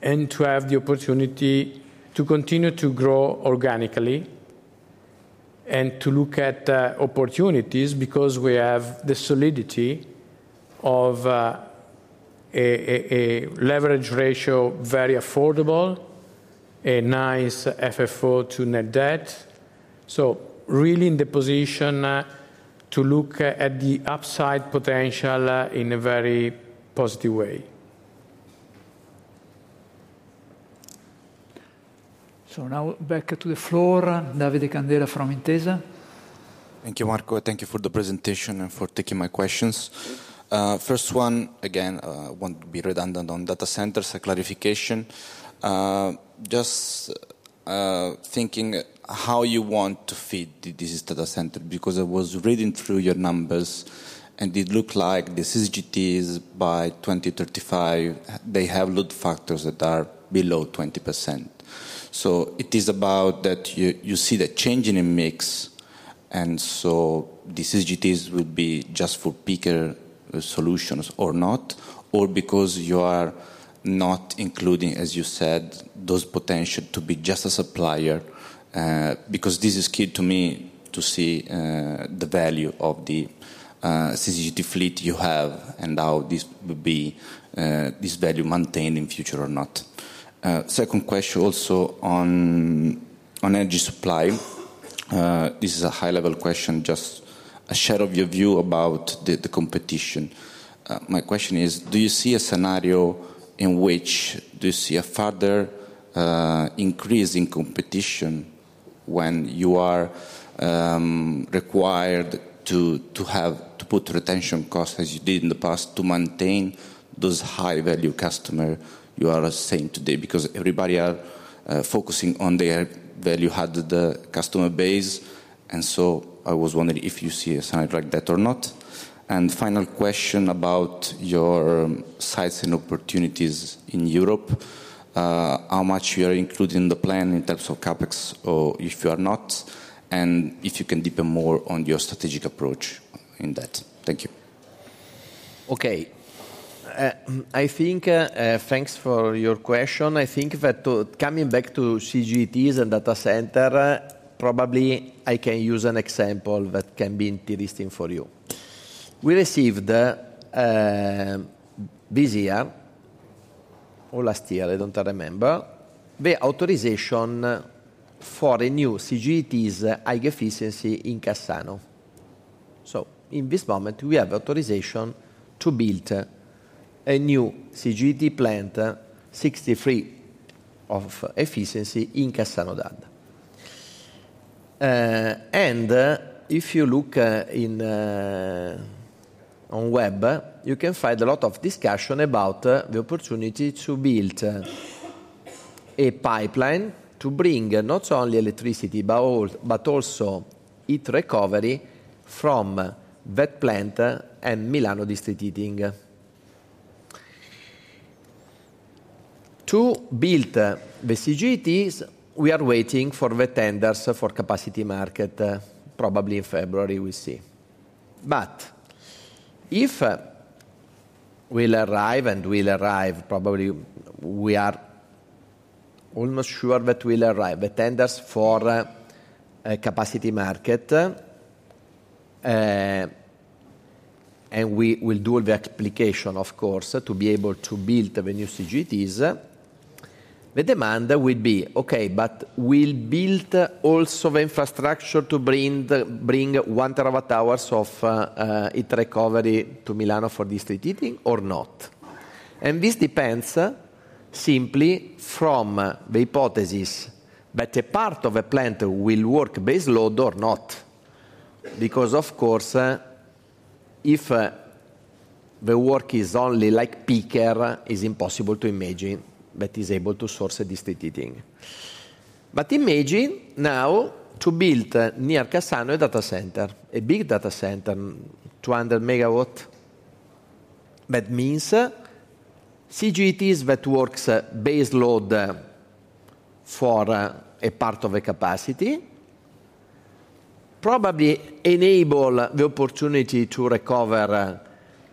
and to have the opportunity to continue to grow organically and to look at opportunities because we have the solidity of a leverage ratio very affordable, a nice FFO to net debt. Really in the position to look at the upside potential in a very positive way.
Now back to the floor, Davide Candela from Intesa.
Thank you, Marco. Thank you for the presentation and for taking my questions. First one, again, I won't be redundant on data centers, a clarification. Just thinking how you want to feed this data center because I was reading through your numbers and it looked like the CCGTs by 2035, they have load factors that are below 20%. It is about that you see the change in a mix. The CCGTs would be just for peaker solutions or not, or because you are not including, as you said, those potential to be just a supplier. This is key to me to see the value of the CCGT fleet you have and how this value is maintained in future or not. Second question also on energy supply. This is a high-level question, just a share of your view about the competition. My question is, do you see a scenario in which you see a further increase in competition when you are required to put retention costs as you did in the past to maintain those high-value customers you are seeing today? Everybody is focusing on their value-added customer base. I was wondering if you see a scenario like that or not. Final question about your sites and opportunities in Europe, how much you are including in the plan in terms of CapEx or if you are not, and if you can deepen more on your strategic approach in that. Thank you.
Okay. Thanks for your question. I think that coming back to CCGTs and data center, probably I can use an example that can be interesting for you. We received this year or last year, I do not remember, the authorization for a new CCGT's high efficiency in Cassano. In this moment, we have authorization to build a new CCGT plant, 63% of efficiency in Cassano d'Adda. If you look on web, you can find a lot of discussion about the opportunity to build a pipeline to bring not only electricity but also heat recovery from that plant and Milano district heating. To build the CCGTs, we are waiting for the tenders for Capacity Market, probably in February we see. If we'll arrive and we'll arrive, probably we are almost sure that we'll arrive with tenders for Capacity Market, and we will do the application, of course, to be able to build the new CCGTs, the demand would be, "Okay, but we'll build also the infrastructure to bring 1 TWh of heat recovery to Milan for district heating or not?" This depends simply from the hypothesis that a part of the plant will work base load or not. Because, of course, if the work is only like peaker, it's impossible to imagine that it's able to source a district heating. Imagine now to build near Cassano a data center, a big data center, 200 MW. That means CCGTs that work base load for a part of the capacity probably enable the opportunity to recover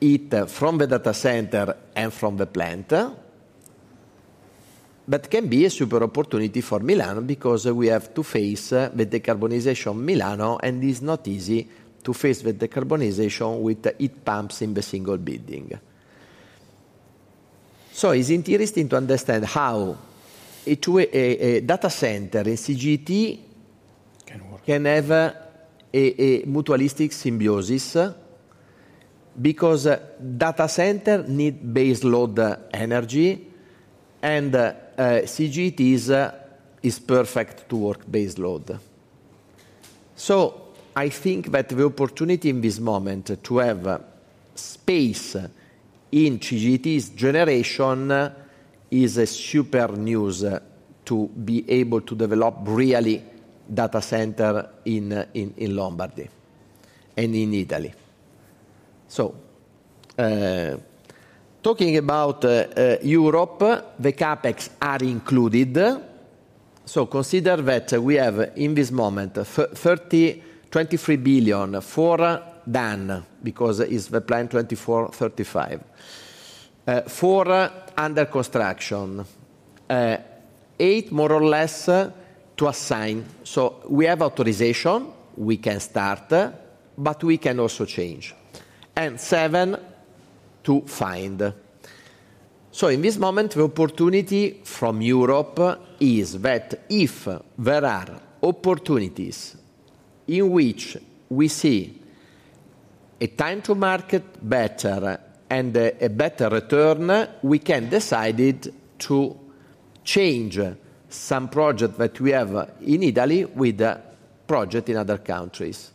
heat from the data center and from the plant. It can be a super opportunity for Milan because we have to face the decarbonization of Milan, and it is not easy to face the decarbonization with heat pumps in the single building. It is interesting to understand how a data center, a CCGT, can have a mutualistic symbiosis because a data center needs base load energy, and CCGT is perfect to work base load. I think that the opportunity in this moment to have space in CCGTs generation is a super news to be able to develop really data center in Lombardy and in Italy. Talking about Europe, the CapEx are included. Consider that we have in this moment 23 billion for [DAN] because it is the plan 2024-2035. Four under construction, eight more or less to assign. We have authorization, we can start, but we can also change. Seven to find. In this moment, the opportunity from Europe is that if there are opportunities in which we see a time to market better and a better return, we can decide to change some projects that we have in Italy with projects in other countries.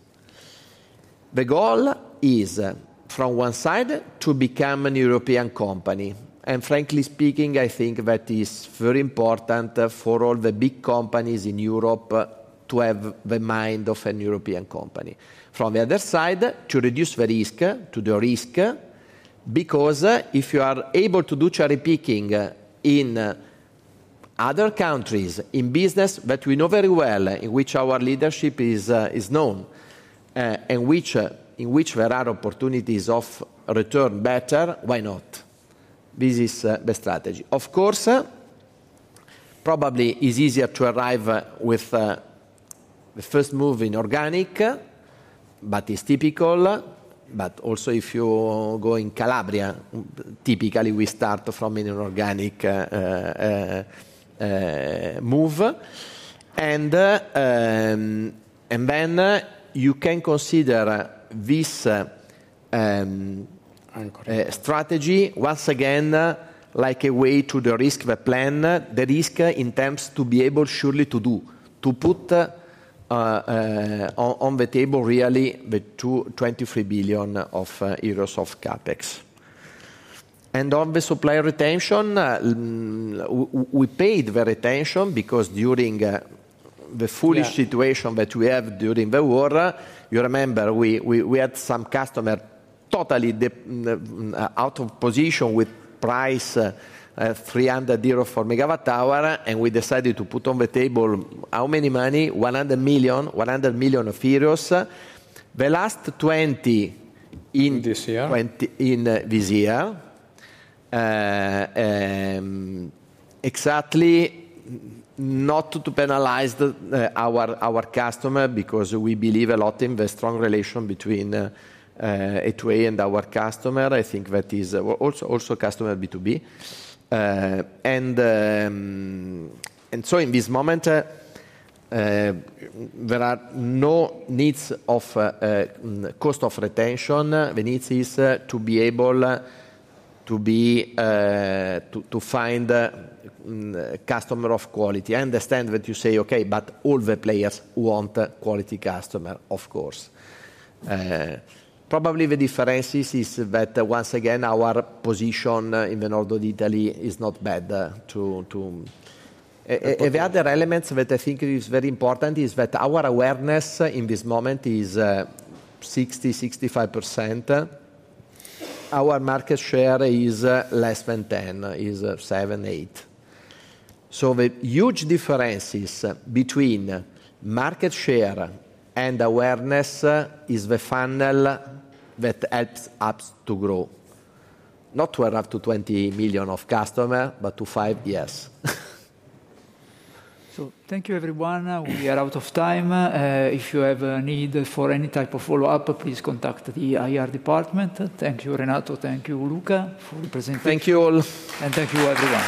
The goal is from one side to become a European company. Frankly speaking, I think that is very important for all the big companies in Europe to have the mind of a European company. From the other side, to reduce the risk because if you are able to do cherry picking in other countries in business that we know very well, in which our leadership is known, in which there are opportunities of return better, why not? This is the strategy. Of course, probably it is easier to arrive with the first move in organic, but it is typical. If you go in Calabria, typically we start from an inorganic move. You can consider this strategy once again like a way to de-risk the plan, the risk in terms to be able surely to do, to put on the table really the 23 billion euros of CapEx. On the supply retention, we paid very attention because during the foolish situation that we had during the war, you remember we had some customer totally out of position with price 300 euro for megawatt hour, and we decided to put on the table how many money? 100 million, 100 million euros. The last 20 million in this year. Exactly, not to penalize our customer because we believe a lot in the strong relation between HOA and our customer. I think that is also customer B2B. In this moment, there are no needs of cost of retention. The need is to be able to find a customer of quality. I understand that you say, "Okay, but all the players want quality customer, of course." Probably the difference is that once again, our position in the north of Italy is not bad too. The other element that I think is very important is that our awareness in this moment is 60%-65%. Our market share is less than 10, is 7-8. The huge differences between market share and awareness is the funnel that helps us to grow. Not to arrive to 20 million of customer, but to 5, yes.
Thank you, everyone. We are out of time. If you have a need for any type of follow-up, please contact the IR department. Thank you, Renato. Thank you, Luca, for presenting.
Thank you all.
Thank you, everyone.